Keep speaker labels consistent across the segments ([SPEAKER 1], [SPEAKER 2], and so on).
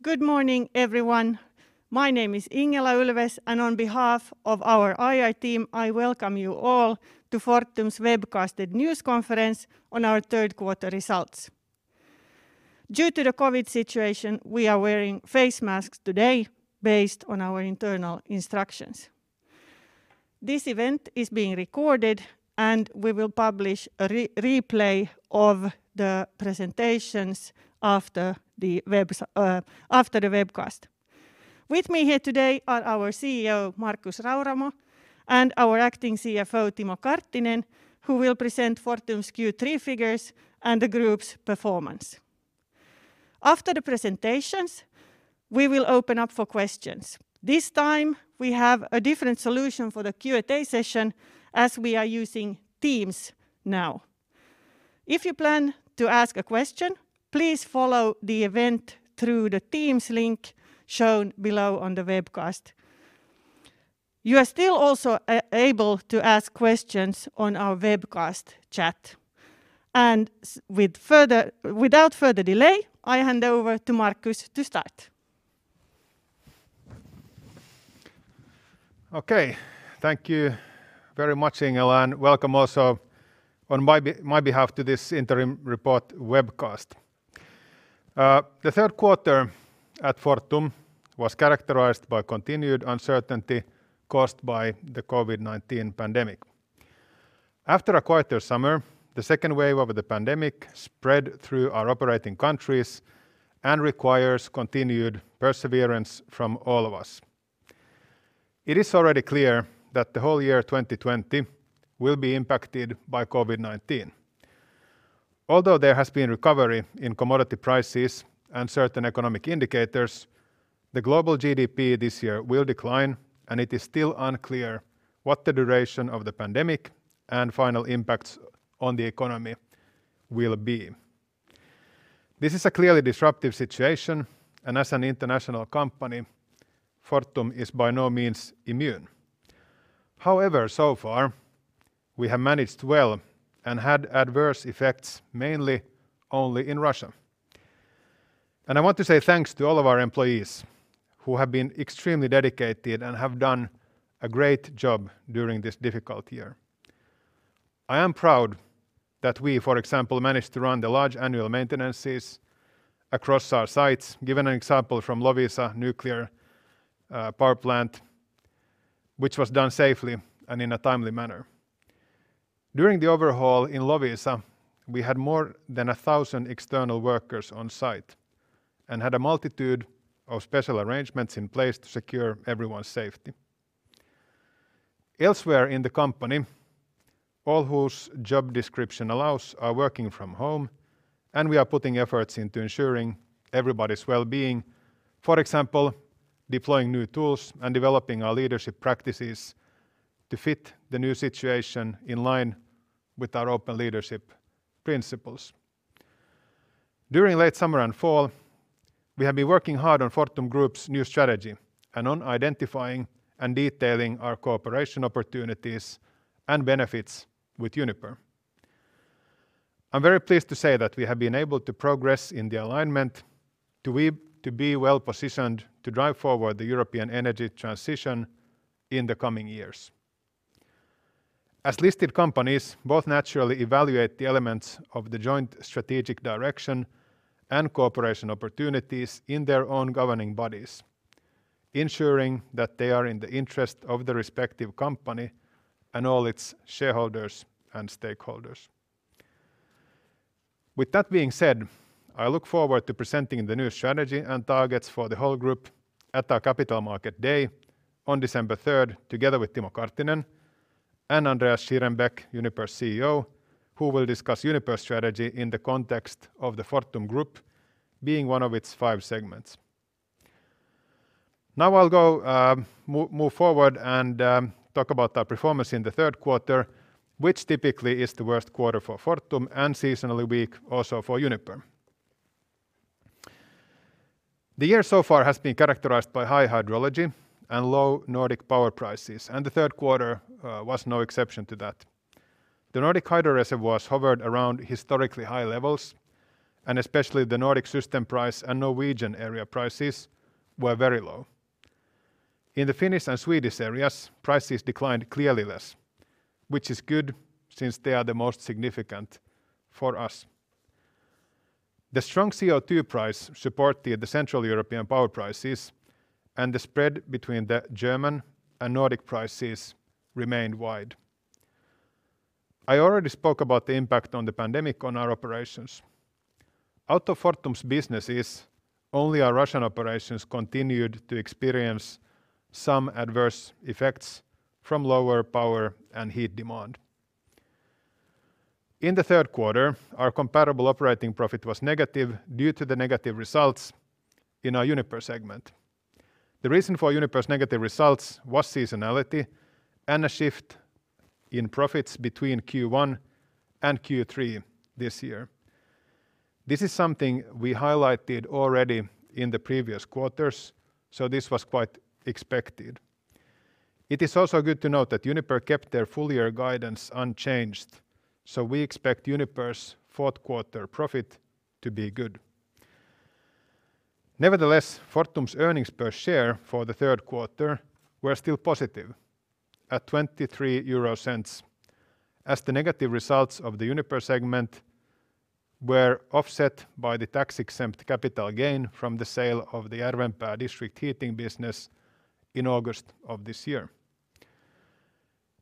[SPEAKER 1] Good morning, everyone. My name is Ingela Ulfves, and on behalf of our IR team, I welcome you all to Fortum's webcasted news conference on our third quarter results. Due to the COVID situation, we are wearing face masks today based on our internal instructions. This event is being recorded, and we will publish a replay of the presentations after the webcast. With me here today are our CEO, Markus Rauramo, and our acting CFO, Timo Karttinen, who will present Fortum's third quarter figures and the group's performance. After the presentations, we will open up for questions. This time we have a different solution for the Q&A session as we are using Teams now. If you plan to ask a question, please follow the event through the Teams link shown below on the webcast. You are still also able to ask questions on our webcast chat. Without further delay, I hand over to Markus to start.
[SPEAKER 2] Okay. Thank you very much, Ingela Ulfves, and welcome also on my behalf to this interim report webcast. The third quarter at Fortum was characterized by continued uncertainty caused by the COVID-19 pandemic. After a quieter summer, the second wave of the pandemic spread through our operating countries and requires continued perseverance from all of us. It is already clear that the whole year 2020 will be impacted by COVID-19. There has been recovery in commodity prices and certain economic indicators, the global GDP this year will decline, and it is still unclear what the duration of the pandemic and final impacts on the economy will be. This is a clearly disruptive situation, and as an international company, Fortum is by no means immune. So far, we have managed well and had adverse effects mainly only in Russia. I want to say thanks to all of our employees who have been extremely dedicated and have done a great job during this difficult year. I am proud that we, for example, managed to run the large annual maintenances across our sites. Given an example from Loviisa nuclear power plant, which was done safely and in a timely manner. During the overhaul in Loviisa, we had more than 1,000 external workers on site and had a multitude of special arrangements in place to secure everyone's safety. Elsewhere in the company, all whose job description allows are working from home, and we are putting efforts into ensuring everybody's well-being. For example, deploying new tools and developing our leadership practices to fit the new situation in line with our open leadership principles. During late summer and fall, we have been working hard on Fortum Group's new strategy and on identifying and detailing our cooperation opportunities and benefits with Uniper. I'm very pleased to say that we have been able to progress in the alignment to be well-positioned to drive forward the European energy transition in the coming years. As listed companies, both naturally evaluate the elements of the joint strategic direction and cooperation opportunities in their own governing bodies, ensuring that they are in the interest of the respective company and all its shareholders and stakeholders. With that being said, I look forward to presenting the new strategy and targets for the whole group at our Capital Markets Day on December 3rd, together with Timo Karttinen and Andreas Schierenbeck, Uniper's CEO, who will discuss Uniper's strategy in the context of the Fortum Group being one of its five segments. Now I'll go move forward and talk about our performance in the third quarter, which typically is the worst quarter for Fortum and seasonally weak also for Uniper. The year so far has been characterized by high hydrology and low Nordic power prices. The third quarter was no exception to that. The Nordic hydro reservoirs hovered around historically high levels. Especially the Nordic system price and Norwegian area prices were very low. In the Finnish and Swedish areas, prices declined clearly less, which is good since they are the most significant for us. The strong CO2 price supported the Central European power prices. The spread between the German and Nordic prices remained wide. I already spoke about the impact on the pandemic on our operations. Out of Fortum's businesses, only our Russian operations continued to experience some adverse effects from lower power and heat demand. In the third quarter, our comparable operating profit was negative due to the negative results in our Uniper segment. The reason for Uniper's negative results was seasonality and a shift in profits between first quarter and third quarter this year. This is something we highlighted already in the previous quarters, so this was quite expected. It is also good to note that Uniper kept their full year guidance unchanged. We expect Uniper's fourth quarter profit to be good. Nevertheless, Fortum's earnings per share for the third quarter were still positive at 0.23, as the negative results of the Uniper segment were offset by the tax-exempt capital gain from the sale of the Järvenpää district heating business in August of this year.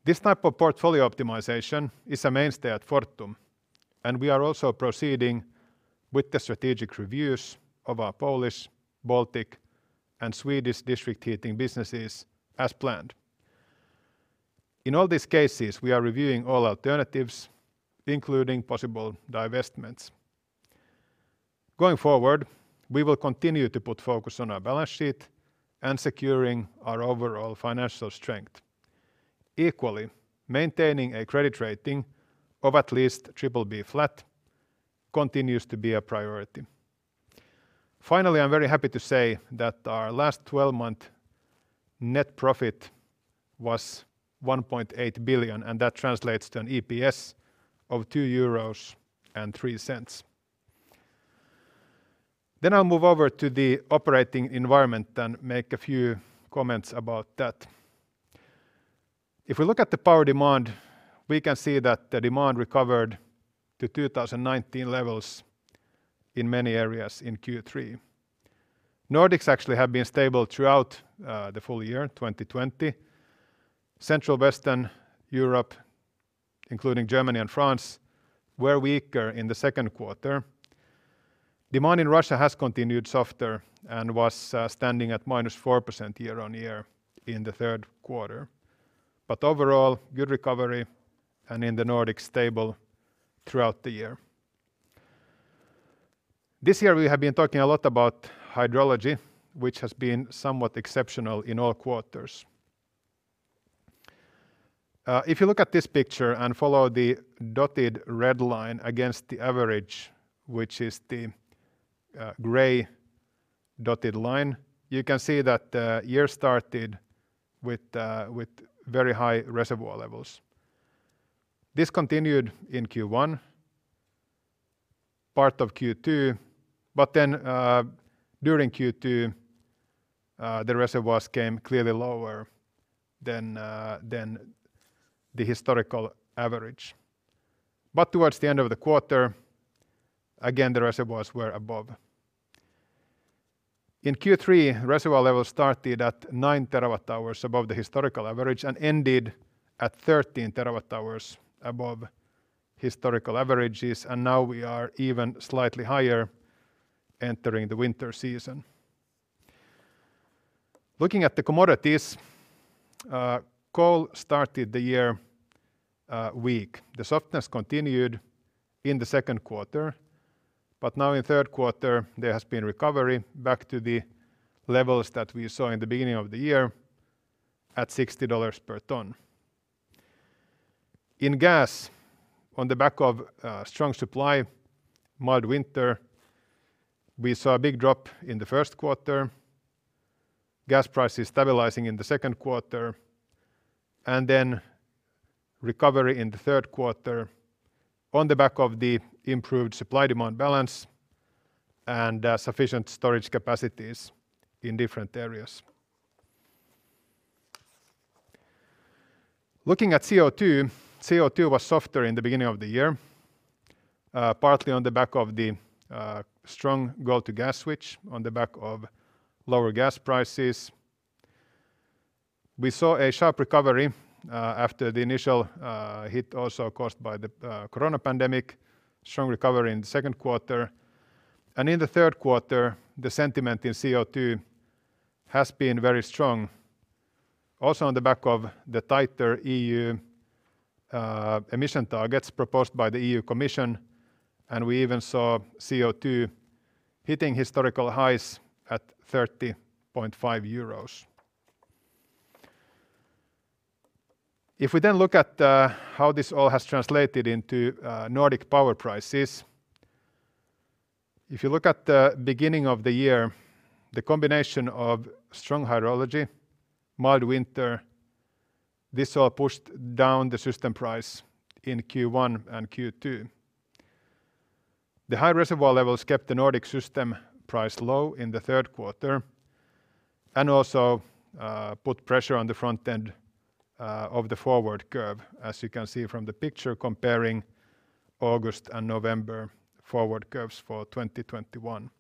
[SPEAKER 2] This type of portfolio optimization is a mainstay at Fortum, and we are also proceeding with the strategic reviews of our Polish, Baltic, and Swedish district heating businesses as planned. In all these cases, we are reviewing all alternatives, including possible divestments. Going forward, we will continue to put focus on our balance sheet and securing our overall financial strength. Equally, maintaining a credit rating of at least BBB flat continues to be a priority. Finally, I'm very happy to say that our last 12-month net profit was 1.8 billion, and that translates to an EPS of 2.03 euros. I'll move over to the operating environment and make a few comments about that. If we look at the power demand, we can see that the demand recovered to 2019 levels in many areas in third quarter. Nordics actually have been stable throughout the full year 2020. Central Western Europe, including Germany and France, were weaker in the second quarter. Demand in Russia has continued softer and was standing at -4% year-on-year in the third quarter. Overall, good recovery and in the Nordics stable throughout the year. This year, we have been talking a lot about hydrology, which has been somewhat exceptional in all quarters. If you look at this picture and follow the dotted red line against the average, which is the gray dotted line, you can see that the year started with very high reservoir levels. This continued in Q1, part of Q2, but then during Q2, the reservoirs came clearly lower than the historical average. Towards the end of the quarter, again, the reservoirs were above. In Q3, reservoir levels started at nine terawatt-hours above the historical average and ended at 13 terawatt-hours above historical averages, and now we are even slightly higher entering the winter season. Looking at the commodities, coal started the year weak. The softness continued in the second quarter. Now in the third quarter, there has been recovery back to the levels that we saw in the beginning of the year at 60 per ton. In gas, on the back of strong supply, mild winter, we saw a big drop in the first quarter, gas prices stabilizing in the second quarter. Then recovery in the third quarter on the back of the improved supply-demand balance and sufficient storage capacities in different areas. Looking at CO2 was softer in the beginning of the year, partly on the back of the strong coal to gas switch on the back of lower gas prices. We saw a sharp recovery after the initial hit, also caused by the Corona pandemic, strong recovery in the second quarter. In the third quarter, the sentiment in CO2 has been very strong. On the back of the tighter EU emission targets proposed by the European Commission, we even saw CO2 hitting historical highs at 30.5 euros. If we then look at how this all has translated into Nordic power prices, if you look at the beginning of the year, the combination of strong hydrology, mild winter, this all pushed down the system price in Q1 and Q2. The high reservoir levels kept the Nordic system price low in the third quarter and also put pressure on the front end of the forward curve, as you can see from the picture comparing August and November forward curves for 2021.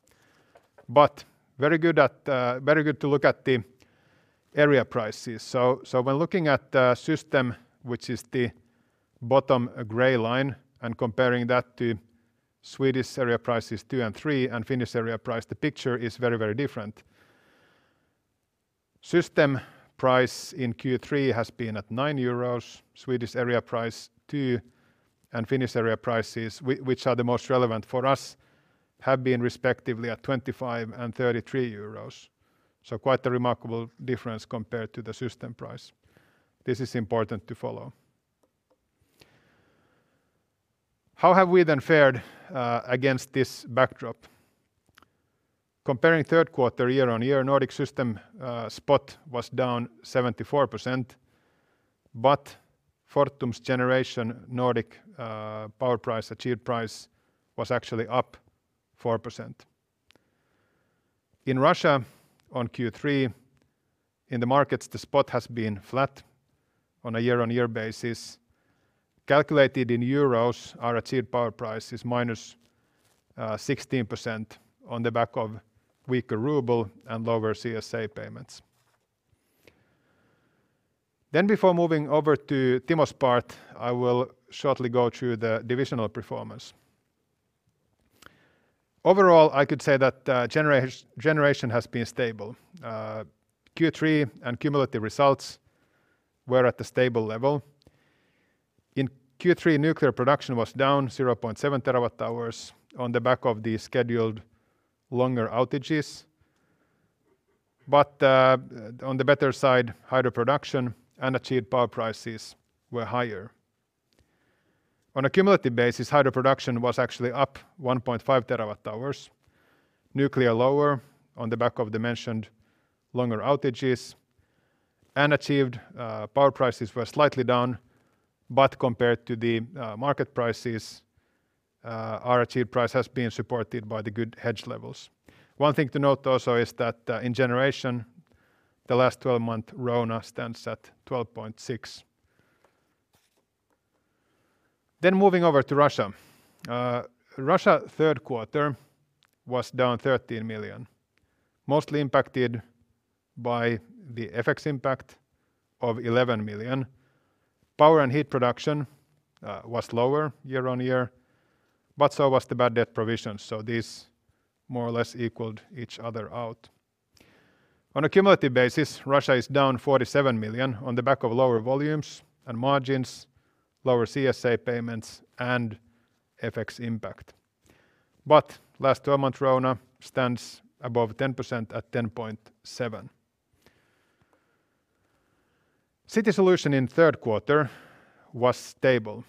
[SPEAKER 2] Very good to look at the area prices. When looking at the system, which is the bottom gray line, and comparing that to Swedish area prices two and three and Finnish area price, the picture is very different. System price in Q3 has been at 9 euros. Swedish area price two and Finnish area prices, which are the most relevant for us, have been respectively at 25 and 33 euros. Quite a remarkable difference compared to the system price. This is important to follow. How have we then fared against this backdrop? Comparing third quarter year-on-year, Nordic system spot was down 74%, Fortum's generation Nordic power price achieved price was actually up 4%. In Russia, on Q3, in the markets, the spot has been flat on a year-on-year basis. Calculated in EUR, our achieved power price is minus 16% on the back of weaker ruble and lower CSA payments. Before moving over to Timo's part, I will shortly go through the divisional performance. Overall, I could say that generation has been stable. Q3 and cumulative results were at the stable level. In Q3, nuclear production was down 0.7 terawatt hours on the back of the scheduled longer outages. On the better side, hydro production and achieved power prices were higher. On a cumulative basis, hydro production was actually up 1.5 terawatt hours, nuclear lower on the back of the mentioned longer outages, and achieved power prices were slightly down. Compared to the market prices, our achieved price has been supported by the good hedge levels. One thing to note also is that in generation, the last 12-month RONA stands at 12.6. Moving over to Russia. Russia third quarter was down 13 million, mostly impacted by the FX impact of 11 million. Power and heat production was lower year-on-year, but so was the bad debt provisions. These more or less equaled each other out. On a cumulative basis, Russia is down 47 million on the back of lower volumes and margins, lower CSA payments, and FX impact. Last 12-month RONA stands above 10% at 10.7%. City Solution in third quarter was stable.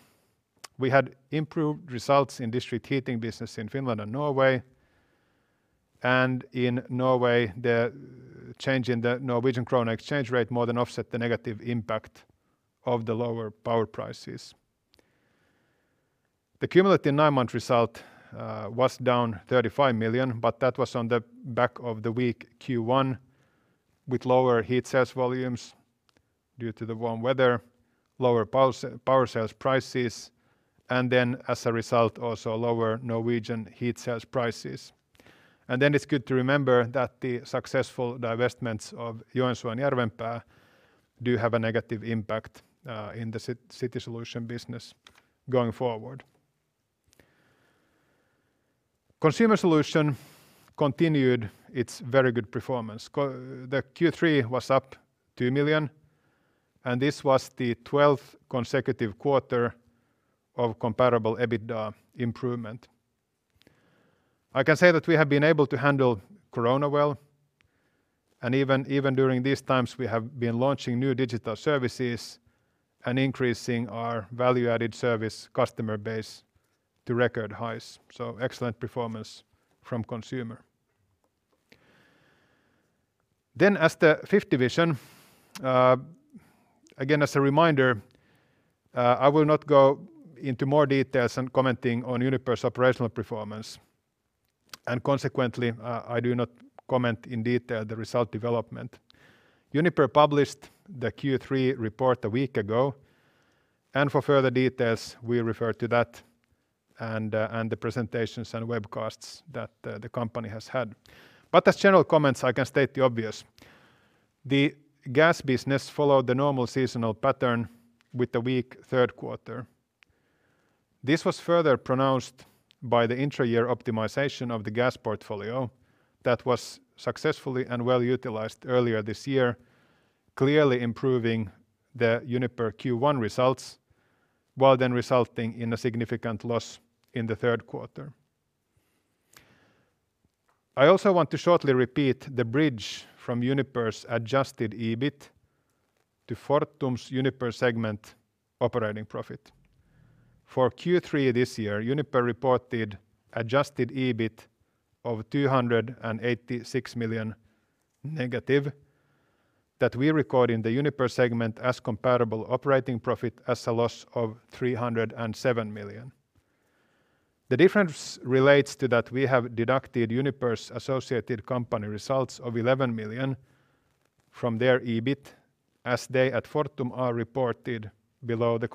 [SPEAKER 2] We had improved results in district heating business in Finland and Norway, and in Norway, the change in the Norwegian krone exchange rate more than offset the negative impact of the lower power prices. The cumulative nine-month result was down 35 million, but that was on the back of the weak Q1 with lower heat sales volumes due to the warm weather, lower power sales prices, and as a result, also lower Norwegian heat sales prices. It's good to remember that the successful divestments of Joensuu and Järvenpää do have a negative impact in the City Solution business going forward. Consumer Solution continued its very good performance. The Q3 was up 2 million, and this was the 12th consecutive quarter of comparable EBITDA improvement. I can say that we have been able to handle coronavirus well, and even during these times, we have been launching new digital services and increasing our value-added service customer base to record highs. Excellent performance from consumer. As the fifth division, again, as a reminder, I will not go into more details and commenting on Uniper's operational performance. Consequently, I do not comment in detail the result development. Uniper published the Q3 report a week ago, and for further details, we refer to that and the presentations and webcasts that the company has had. As general comments, I can state the obvious. The gas business followed the normal seasonal pattern with a weak third quarter. This was further pronounced by the intra-year optimization of the gas portfolio that was successfully and well utilized earlier this year, clearly improving the Uniper Q1 results, while then resulting in a significant loss in the third quarter. I also want to shortly repeat the bridge from Uniper's adjusted EBIT to Fortum's Uniper segment operating profit. For Q3 this year, Uniper reported adjusted EBIT of 286 million negative that we record in the Uniper segment as comparable operating profit as a loss of 307 million. The difference relates to that we have deducted Uniper's associated company results of 11 million from their EBIT, as they at Fortum are reported below the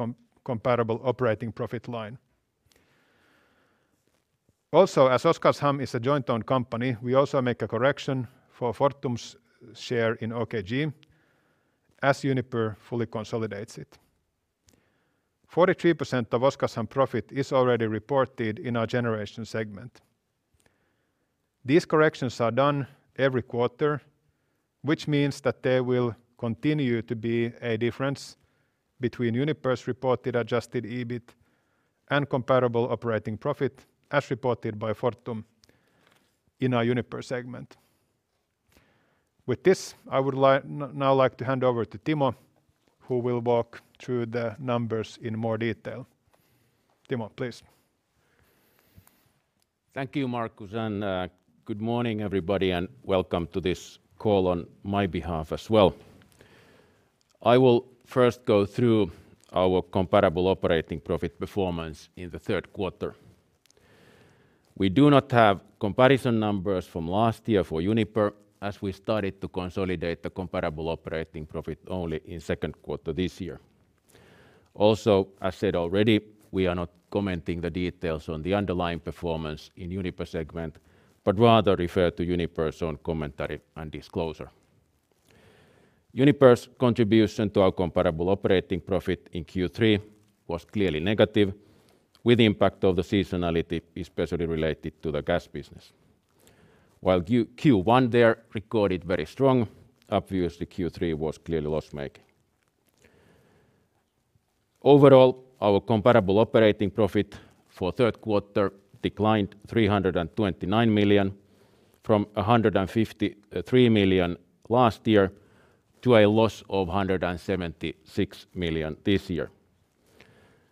[SPEAKER 2] comparable operating profit line. As Oskarshamn is a joint owned company, we also make a correction for Fortum's share in OKG as Uniper fully consolidates it. 43% of Oskarshamn profit is already reported in our generation segment. These corrections are done every quarter, which means that there will continue to be a difference between Uniper's reported adjusted EBIT and comparable operating profit as reported by Fortum in our Uniper segment. With this, I would now like to hand over to Timo, who will walk through the numbers in more detail. Timo Karttinen, please.
[SPEAKER 3] Thank you, Markus Rauramo, good morning, everybody, and welcome to this call on my behalf as well. I will first go through our comparable operating profit performance in the third quarter. We do not have comparison numbers from last year for Uniper, as we started to consolidate the comparable operating profit only in second quarter this year. Also, as said already, we are not commenting the details on the underlying performance in Uniper segment, but rather refer to Uniper's own commentary and disclosure. Uniper's contribution to our comparable operating profit in Q3 was clearly negative with the impact of the seasonality, especially related to the gas business. While Q1 there recorded very strong, obviously Q3 was clearly loss-making. Overall, our comparable operating profit for third quarter declined 329 million from 153 million last year to a loss of 176 million this year.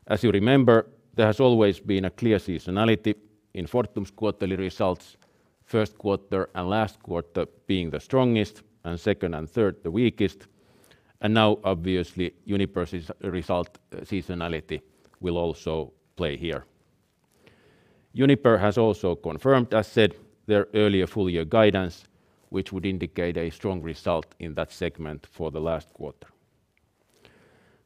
[SPEAKER 3] As you remember, there has always been a clear seasonality in Fortum's quarterly results, first quarter and last quarter being the strongest, and second and third the weakest, and now obviously Uniper's result seasonality will also play here. Uniper has also confirmed, as said, their earlier full-year guidance, which would indicate a strong result in that segment for the last quarter.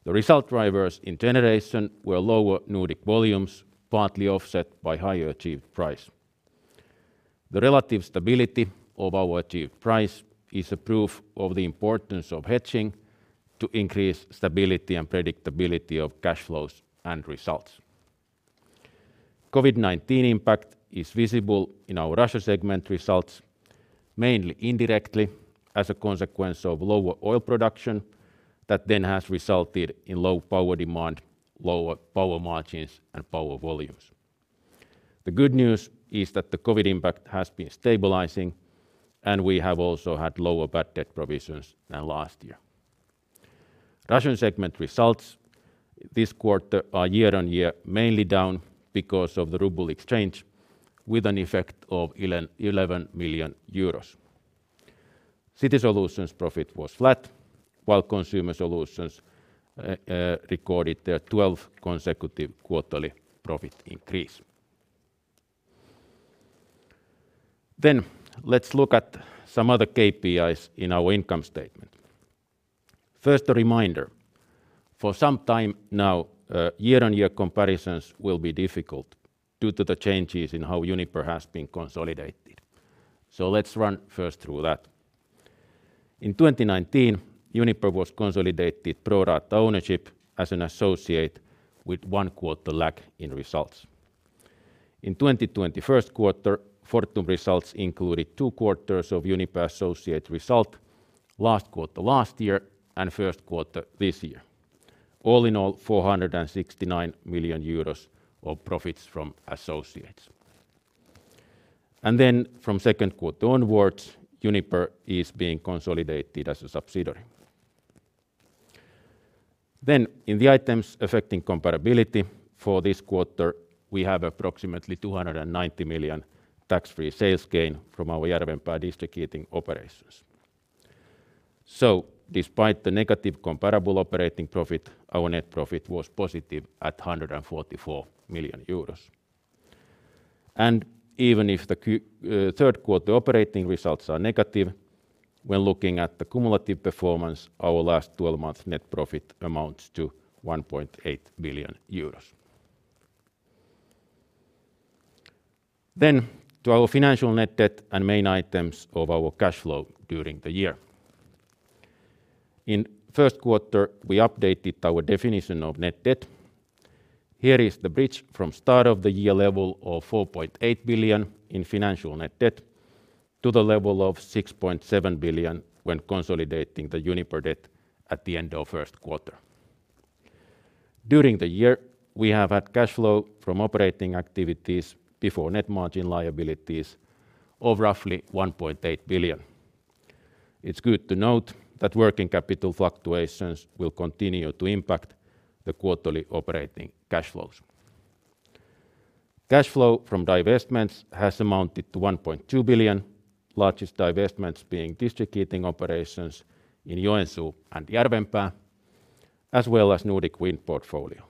[SPEAKER 3] The result drivers in generation were lower Nordic volumes, partly offset by higher achieved price. The relative stability of our achieved price is a proof of the importance of hedging to increase stability and predictability of cash flows and results. COVID-19 impact is visible in our Russia segment results, mainly indirectly as a consequence of lower oil production that then has resulted in low power demand, lower power margins, and power volumes. The good news is that the COVID impact has been stabilizing, and we have also had lower bad debt provisions than last year. Russian segment results this quarter are year-on-year mainly down because of the ruble exchange, with an effect of 11 million euros. City Solutions' profit was flat, while Consumer Solutions recorded their 12th consecutive quarterly profit increase. Let's look at some other KPIs in our income statement. First, a reminder. For some time now, year-on-year comparisons will be difficult due to the changes in how Uniper has been consolidated. Let's run first through that. In 2019, Uniper was consolidated pro rata ownership as an associate with one quarter lag in results. In 2020 first quarter, Fortum results included two quarters of Uniper associate result, last quarter last year, and first quarter this year. All in all, 469 million euros of profits from associates. From second quarter onwards, Uniper is being consolidated as a subsidiary. In the items affecting comparability for this quarter, we have approximately 290 million tax-free sales gain from our Järvenpää district heating operations. Despite the negative comparable operating profit, our net profit was positive at 144 million euros. Even if the third-quarter operating results are negative, when looking at the cumulative performance, our last 12 months net profit amounts to 1.8 billion euros. To our financial net debt and main items of our cash flow during the year. In first quarter, we updated our definition of net debt. Here is the bridge from start of the year level of 4.8 billion in financial net debt to the level of 6.7 billion when consolidating the Uniper debt at the end of first quarter. During the year, we have had cash flow from operating activities before net margin liabilities of roughly 1.8 billion. It's good to note that working capital fluctuations will continue to impact the quarterly operating cash flows. Cash flow from divestments has amounted to 1.2 billion, largest divestments being district heating operations in Joensuu and Järvenpää, as well as Nordic wind portfolio.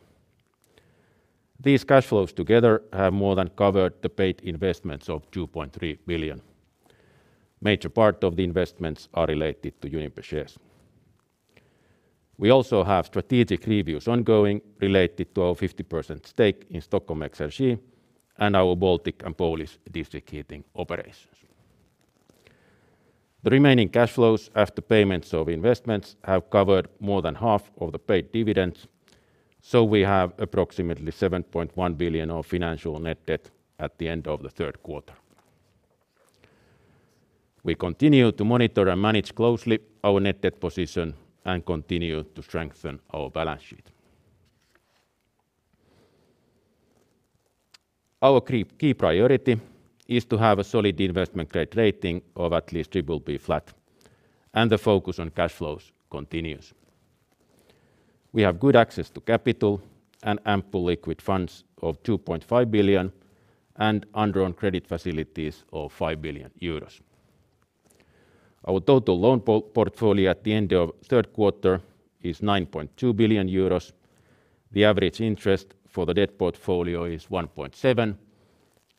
[SPEAKER 3] These cash flows together have more than covered the paid investments of 2.3 billion. Major part of the investments are related to Uniper shares. We also have strategic reviews ongoing related to our 50% stake in Stockholm Exergi and our Baltic and Polish district heating operations. We have approximately 7.1 billion of financial net debt at the end of the third quarter. We continue to monitor and manage closely our net debt position and continue to strengthen our balance sheet. Our key priority is to have a solid investment-grade rating of at least BBB flat, and the focus on cash flows continues. We have good access to capital and ample liquid funds of 2.5 billion and undrawn credit facilities of 5 billion euros. Our total loan portfolio at the end of the third quarter is 9.2 billion euros. The average interest for the debt portfolio is 1.7%,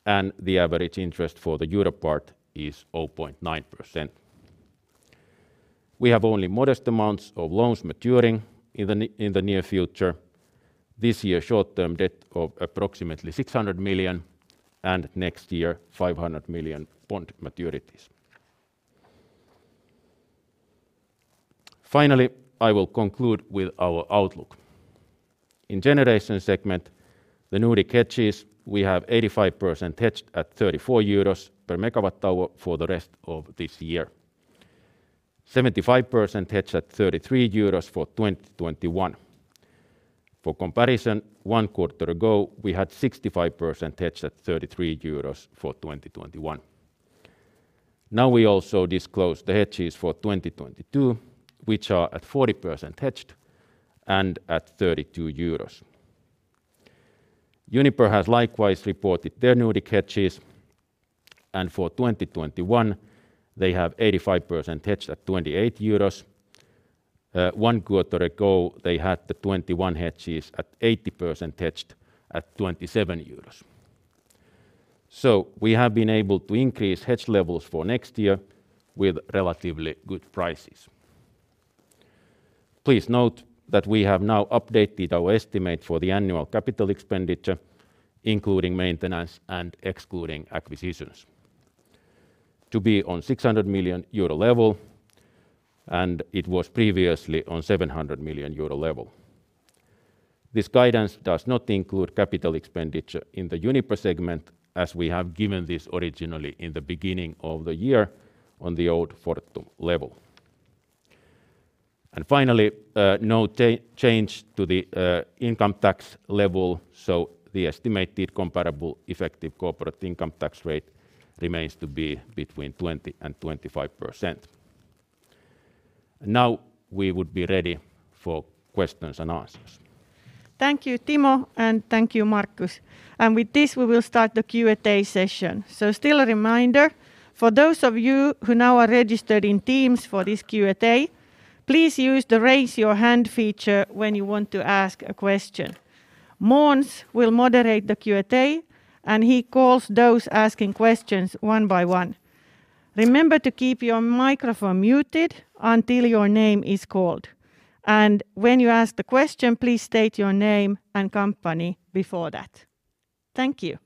[SPEAKER 3] and the average interest for the EUR part is 0.9%. We have only modest amounts of loans maturing in the near future. This year, short-term debt of approximately 600 million and next year, 500 million bond maturities. Finally, I will conclude with our outlook. In generation segment, the Nordic hedges, we have 85% hedged at 34 euros per MWh for the rest of this year. 75% hedged at 33 euros for 2021. For comparison, one quarter ago, we had 65% hedged at 33 euros for 2021. Now we also disclose the hedges for 2022, which are at 40% hedged and at 32 euros. Uniper has likewise reported their Nordic hedges, and for 2021, they have 85% hedged at 28 euros. One quarter ago, they had the 2021 hedges at 80% hedged at 27 euros. We have been able to increase hedge levels for next year with relatively good prices. Please note that we have now updated our estimate for the annual capital expenditure, including maintenance and excluding acquisitions, to be on EUR 600 million level, and it was previously on EUR 700 million level. This guidance does not include capital expenditure in the Uniper segment as we have given this originally in the beginning of the year on the old Fortum level. Finally, no change to the income tax level, so the estimated comparable effective corporate income tax rate remains to be between 20% and 25%. We would be ready for questions and answers.
[SPEAKER 1] Thank you, Timo. Thank you, Markus. With this, we will start the Q&A session. Still a reminder, for those of you who now are registered in Microsoft Teams for this Q&A, please use the raise your hand feature when you want to ask a question. Måns will moderate the Q&A. He calls those asking questions one by one. Remember to keep your microphone muted until your name is called. When you ask the question, please state your name and company before that. Thank you.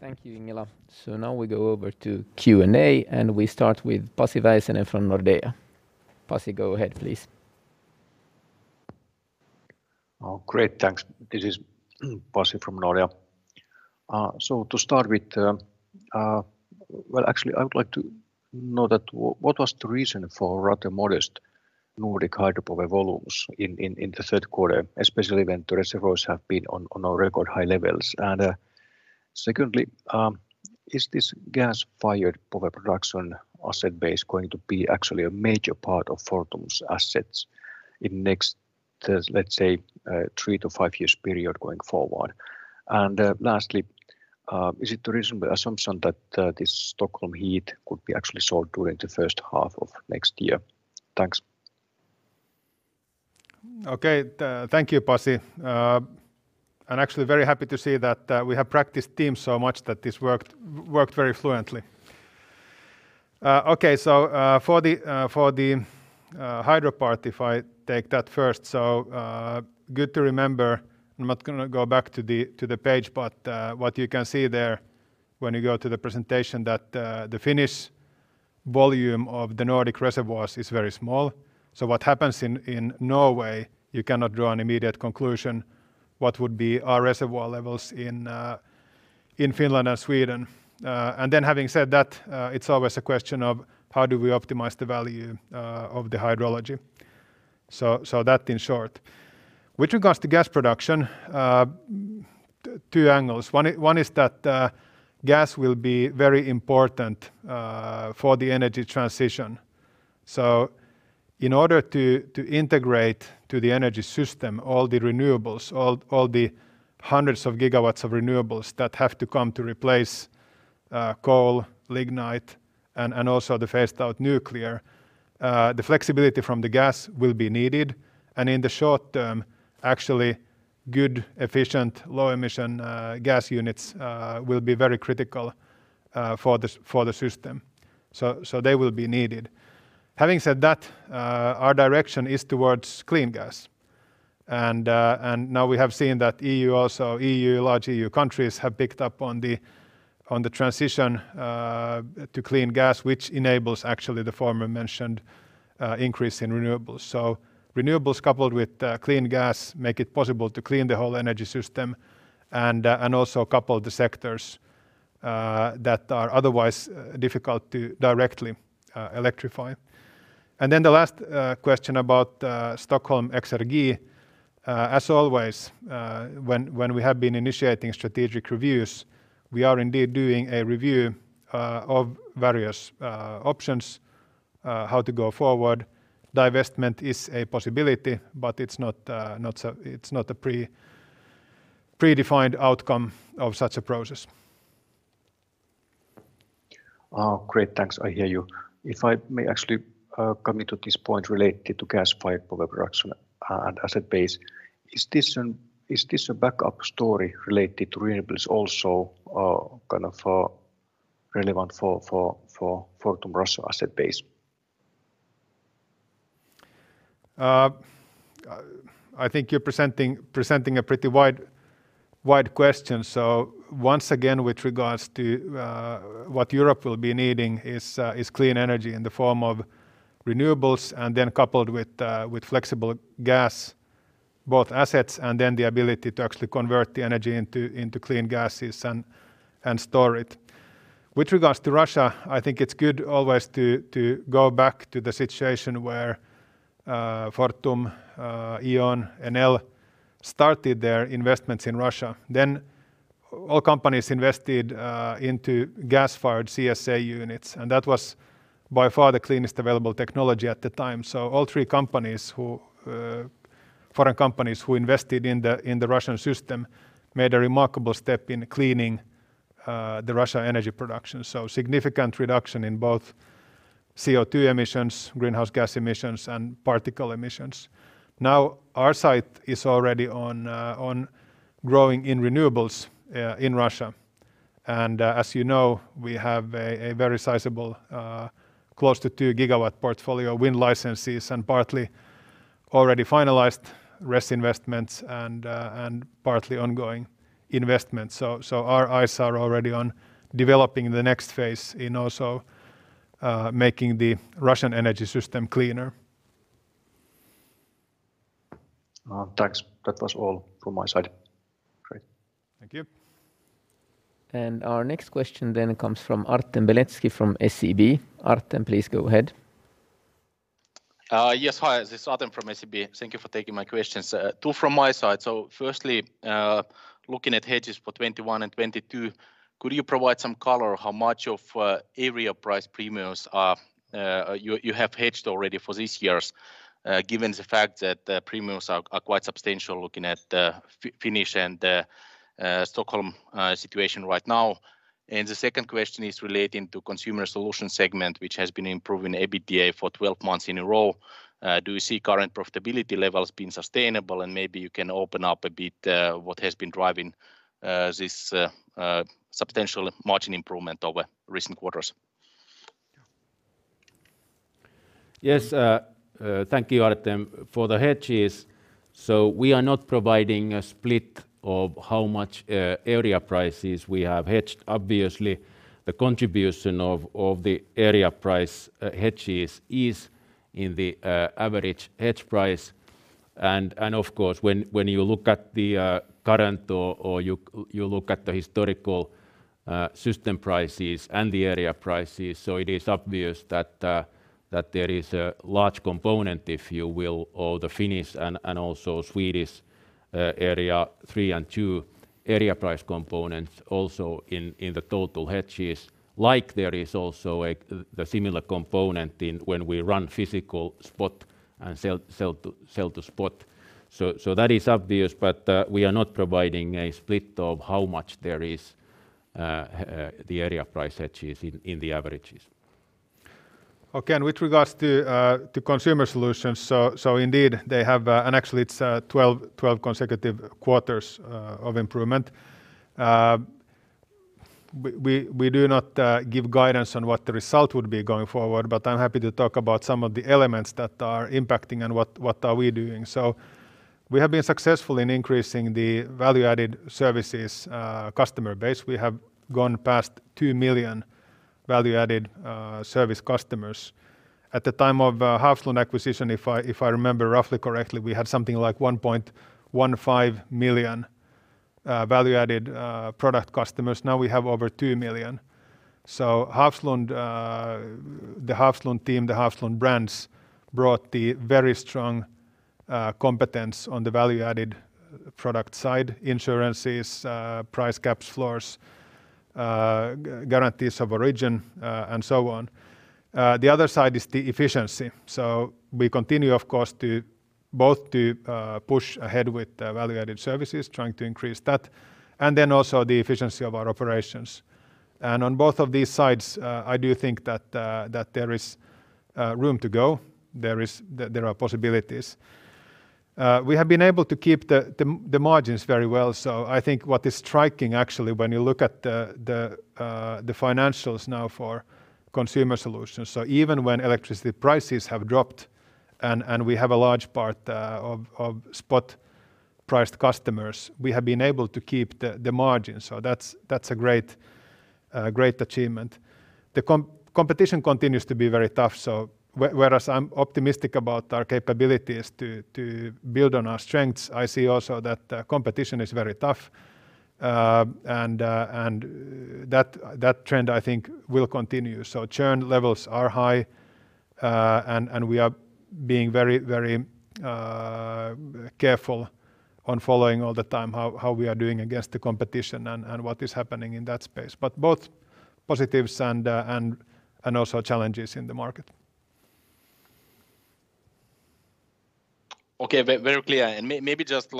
[SPEAKER 4] Thank you, Ingela. Now we go over to Q&A. We start with Pasi Väisänen from Nordea. Pasi, go ahead, please.
[SPEAKER 5] Oh, great. Thanks. This is Pasi from Nordea. To start with, well, actually, I would like to know that what was the reason for rather modest Nordic hydropower volumes in the third quarter, especially when the reservoirs have been on a record high levels? Secondly, is this gas-fired power production asset base going to be actually a major part of Fortum's assets in next, let's say, three to five years period going forward? Lastly, is it a reasonable assumption that this Stockholm heat could be actually sold during the first half of next year? Thanks.
[SPEAKER 3] Thank you, Pasi. I'm actually very happy to see that we have practiced Teams so much that this worked very fluently. For the hydro part, if I take that first, good to remember, I'm not going to go back to the page, what you can see there when you go to the presentation that the Finnish volume of the Nordic reservoirs is very small. What happens in Norway, you cannot draw an immediate conclusion what would be our reservoir levels in Finland and Sweden. Having said that, it's always a question of how do we optimize the value of the hydrology. That in short. With regards to gas production, two angles. One is that gas will be very important for the energy transition. In order to integrate to the energy system all the renewables, all the hundreds of gigawatts of renewables that have to come to replace coal, lignite, and also the phased-out nuclear, the flexibility from the gas will be needed, and in the short term, actually, good, efficient, low-emission gas units will be very critical for the system. They will be needed. Having said that, our direction is towards clean gas. Now we have seen that EU also, large EU countries, have picked up on the transition to clean gas, which enables actually the former mentioned increase in renewables. Renewables coupled with clean gas make it possible to clean the whole energy system and also couple the sectors.
[SPEAKER 2] that are otherwise difficult to directly electrify. Then the last question about Stockholm Exergi. As always, when we have been initiating strategic reviews, we are indeed doing a review of various options, how to go forward. Divestment is a possibility, it's not a predefined outcome of such a process.
[SPEAKER 5] Great. Thanks. I hear you. If I may actually come into this point related to gas pipe overproduction and asset base. Is this a backup story related to renewables, also relevant for Fortum Russia asset base?
[SPEAKER 2] I think you're presenting a pretty wide question. Once again, with regards to what Europe will be needing is clean energy in the form of renewables and then coupled with flexible gas, both assets, and then the ability to actually convert the energy into clean gases and store it. With regards to Russia, I think it's good always to go back to the situation where Fortum, E.ON, and Enel started their investments in Russia. All companies invested into gas-fired CSA units, and that was by far the cleanest available technology at the time. All three foreign companies who invested in the Russian system made a remarkable step in cleaning the Russia energy production. Significant reduction in both CO2 emissions, greenhouse gas emissions, and particle emissions. Now our sight is already on growing in renewables in Russia. As you know, we have a very sizable, close to 2 gigawatt portfolio, wind licenses, and partly already finalized rest investments and partly ongoing investments. Our eyes are already on developing the next phase in also making the Russian energy system cleaner.
[SPEAKER 5] Thanks. That was all from my side.
[SPEAKER 2] Great. Thank you.
[SPEAKER 4] Our next question comes from Artem Beletski from SEB. Artem, please go ahead.
[SPEAKER 6] Yes. Hi, this is Artem from SEB. Thank you for taking my questions. Two from my side. Firstly, looking at hedges for 2021 and 2022, could you provide some color how much of area price premiums you have hedged already for these years, given the fact that the premiums are quite substantial looking at the Finnish and the Stockholm situation right now? The second question is relating to Consumer Solution segment, which has been improving EBITDA for 12 months in a row. Do you see current profitability levels being sustainable? Maybe you can open up a bit, what has been driving this substantial margin improvement over recent quarters?
[SPEAKER 3] Yes. Thank you, Artem. For the hedges, we are not providing a split of how much area prices we have hedged. Obviously, the contribution of the area price hedges is in the average hedge price. Of course, when you look at the current or you look at the historical system prices and the area prices, it is obvious that there is a large component, if you will, or the Finnish and also Swedish area three and two area price components also in the total hedges. There is also the similar component in when we run physical spot and sell to spot. That is obvious, we are not providing a split of how much there is the area price hedges in the averages.
[SPEAKER 2] Again, with regards to consumer solutions. Indeed, and actually it's 12 consecutive quarters of improvement. We do not give guidance on what the result would be going forward, but I'm happy to talk about some of the elements that are impacting and what are we doing. We have been successful in increasing the value-added services customer base. We have gone past 2 million value-added service customers. At the time of Hafslund acquisition, if I remember roughly correctly, we had something like 1.15 million value-added product customers. Now we have over 2 million. The Hafslund team, the Hafslund brands brought the very strong competence on the value-added product side, insurances, price caps, floors, guarantees of origin, and so on. The other side is the efficiency. We continue, of course, both to push ahead with value-added services, trying to increase that, and then also the efficiency of our operations. On both of these sides, I do think that there is room to go. There are possibilities. We have been able to keep the margins very well. I think what is striking actually, when you look at the financials now for consumer solutions. Even when electricity prices have dropped and we have a large part of spot-priced customers, we have been able to keep the margins. That's a great achievement. The competition continues to be very tough. Whereas I'm optimistic about our capabilities to build on our strengths, I see also that competition is very tough. That trend, I think, will continue. Churn levels are high, and we are being very careful on following all the time how we are doing against the competition and what is happening in that space. Both positives and also challenges in the market.
[SPEAKER 6] Okay. Very clear. Maybe just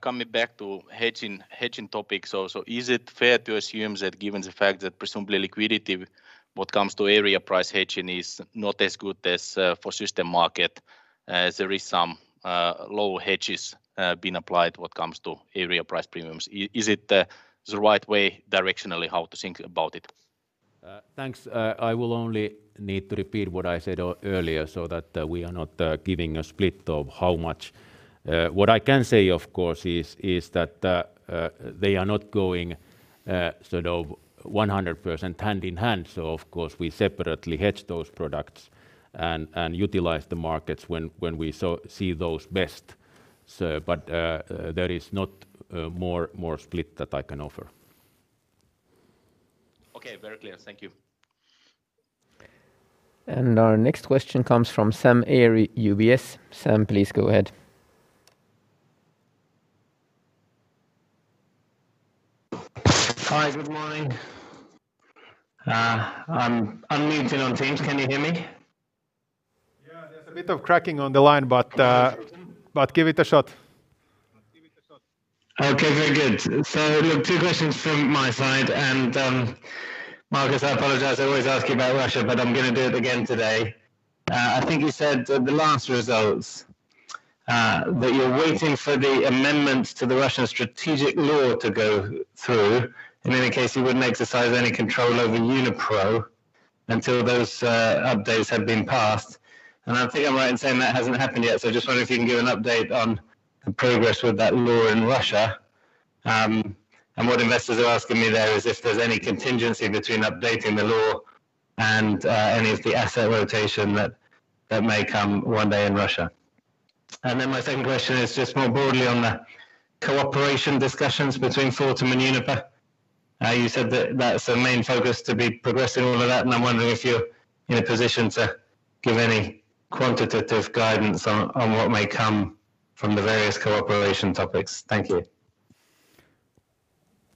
[SPEAKER 6] coming back to hedging topics. Is it fair to assume that given the fact that presumably liquidity, what comes to area price hedging is not as good as for system market, as there is some low hedges being applied when it comes to area price premiums. Is it the right way directionally how to think about it?
[SPEAKER 3] Thanks. I will only need to repeat what I said earlier so that we are not giving a split of how much. What I can say, of course, is that they are not going 100% hand in hand. Of course, we separately hedge those products and utilize the markets when we see those best. There is not more split that I can offer.
[SPEAKER 6] Okay. Very clear. Thank you.
[SPEAKER 4] Our next question comes from Sam Arie, UBS. Sam, please go ahead.
[SPEAKER 7] Hi. Good morning. I'm unmuted on Teams. Can you hear me?
[SPEAKER 2] Yeah, there's a bit of cracking on the line, but give it a shot.
[SPEAKER 7] Okay, very good. Look, two questions from my side. Markus, I apologize, I always ask you about Russia, but I'm going to do it again today. I think you said the last results that you're waiting for the amendments to the Russian strategic law to go through. In any case, you wouldn't exercise any control over Unipro until those updates have been passed. I think I'm right in saying that hasn't happened yet. I just wonder if you can give an update on the progress with that law in Russia. What investors are asking me there is if there's any contingency between updating the law and any of the asset rotation that may come one day in Russia. My second question is just more broadly on the cooperation discussions between Fortum and Uniper.You said that that's the main focus to be progressing all of that, and I'm wondering if you're in a position to give any quantitative guidance on what may come from the various cooperation topics. Thank you.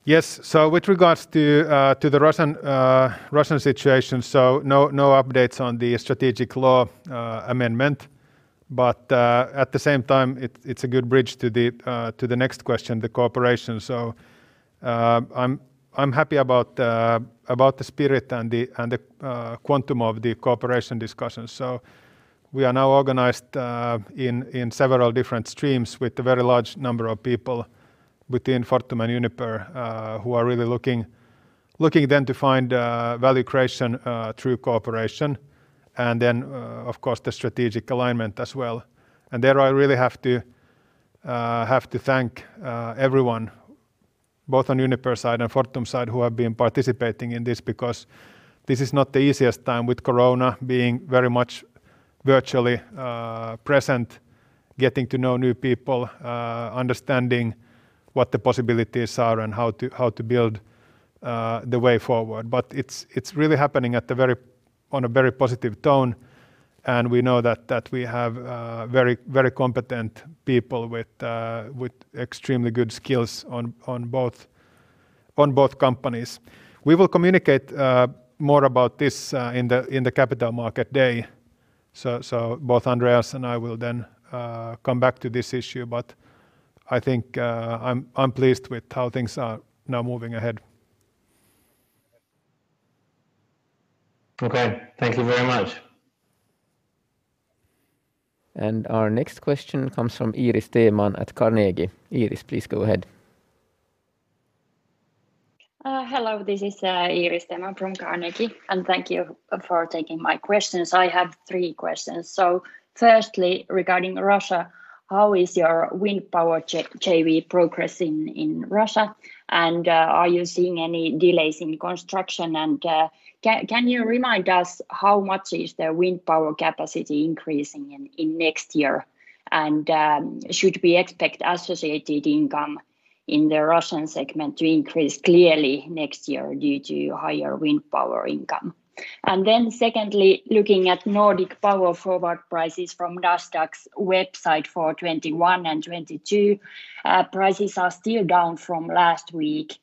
[SPEAKER 2] Yes. With regards to the Russian situation, no updates on the strategic law amendment. At the same time, it's a good bridge to the next question, the cooperation. I'm happy about the spirit and the quantum of the cooperation discussions. We are now organized in several different streams with a very large number of people within Fortum and Uniper, who are really looking then to find value creation through cooperation. Of course, the strategic alignment as well. There I really have to thank everyone, both on Uniper side and Fortum side, who have been participating in this because this is not the easiest time with Corona being very much virtually present, getting to know new people, understanding what the possibilities are and how to build the way forward. It's really happening on a very positive tone, and we know that we have very competent people with extremely good skills on both companies. We will communicate more about this in the Capital Markets Day. Both Andreas and I will then come back to this issue, but I think I'm pleased with how things are now moving ahead.
[SPEAKER 7] Okay. Thank you very much.
[SPEAKER 4] Our next question comes from Iiris Theman at Carnegie. Iiris, please go ahead.
[SPEAKER 8] Hello, this is Iiris Theman from Carnegie. Thank you for taking my questions. I have three questions. Firstly, regarding Russia, how is your wind power JV progressing in Russia? Are you seeing any delays in construction? Can you remind us how much is the wind power capacity increasing in next year? Should we expect associated income in the Russian segment to increase clearly next year due to higher wind power income? Secondly, looking at Nordic power forward prices from Nasdaq's website for 2021 and 2022, prices are still down from last week.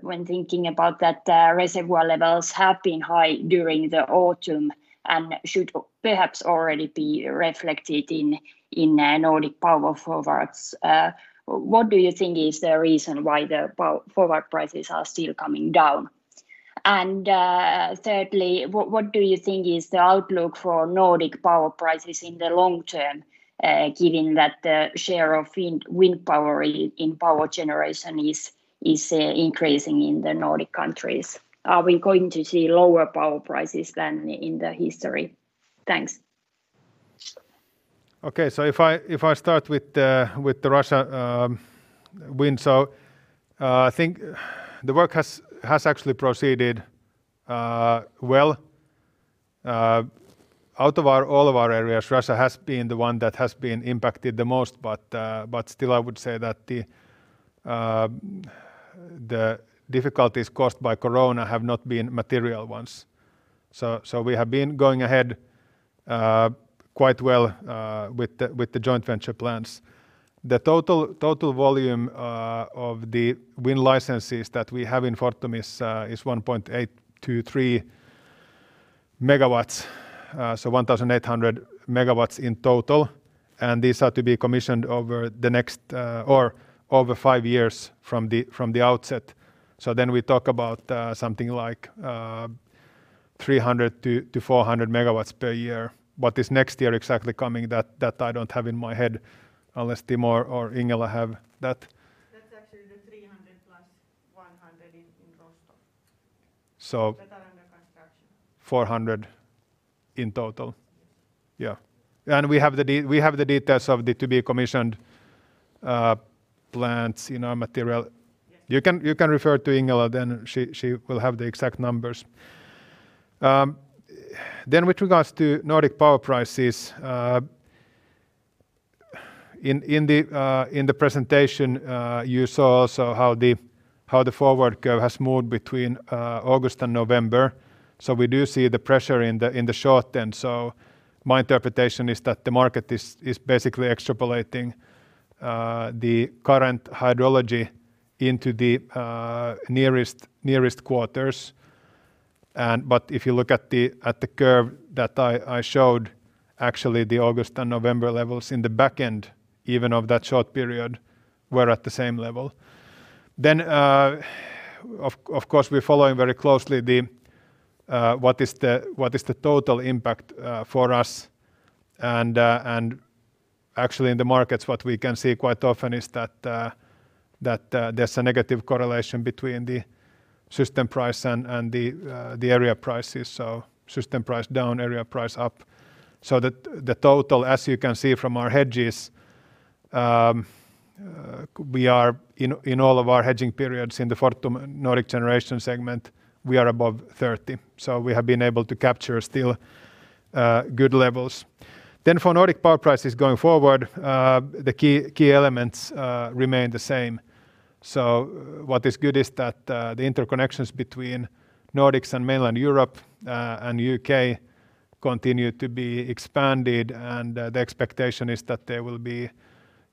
[SPEAKER 8] When thinking about that reservoir levels have been high during the autumn and should perhaps already be reflected in Nordic power forwards, what do you think is the reason why the power forward prices are still coming down? Thirdly, what do you think is the outlook for Nordic power prices in the long term, given that the share of wind power in power generation is increasing in the Nordic countries? Are we going to see lower power prices than in the history? Thanks.
[SPEAKER 2] Okay. If I start with the Russia wind. I think the work has actually proceeded well. Out of all of our areas, Russia has been the one that has been impacted the most, but still I would say that the difficulties caused by Corona have not been material ones. We have been going ahead quite well with the joint venture plans. The total volume of the wind licenses that we have in Fortum is 1,823 megawatts, so 1,800 megawatts in total. These are to be commissioned over five years from the outset. We talk about something like 300 to 400 megawatts per year. What is next year exactly coming, that I don't have in my head, unless Timo or Ingela have that.
[SPEAKER 1] That's actually the 300 plus 100 in.
[SPEAKER 2] So-
[SPEAKER 1] That are under construction.
[SPEAKER 2] 400 in total. Yeah. We have the details of to-be-commissioned plants in our material.
[SPEAKER 1] Yes.
[SPEAKER 2] You can refer to Ingela Ulfves, she will have the exact numbers. With regards to Nordic power prices. In the presentation, you saw also how the forward curve has moved between August and November. We do see the pressure in the short term. My interpretation is that the market is basically extrapolating the current hydrology into the nearest quarters. If you look at the curve that I showed, actually the August and November levels in the back end, even of that short period, were at the same level. Of course, we're following very closely what is the total impact for us and actually in the markets, what we can see quite often is that there's a negative correlation between the system price and the area prices. System price down, area price up. The total, as you can see from our hedges, in all of our hedging periods in the Fortum Nordic generation segment, we are above 30. We have been able to capture still good levels. For Nordic power prices going forward, the key elements remain the same. What is good is that the interconnections between Nordics and mainland Europe and U.K. continue to be expanded, and the expectation is that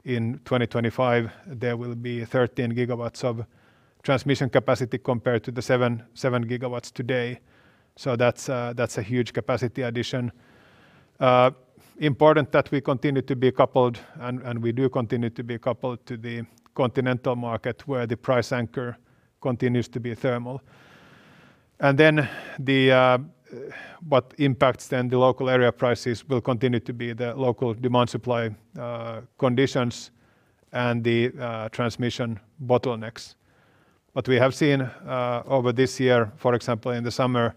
[SPEAKER 2] in 2025, there will be 13 gigawatts of transmission capacity compared to seven gigawatts today. That's a huge capacity addition. Important that we continue to be coupled, and we do continue to be coupled to the continental market where the price anchor continues to be thermal. What impacts then the local area prices will continue to be the local demand-supply conditions and the transmission bottlenecks. What we have seen over this year, for example, in the summer,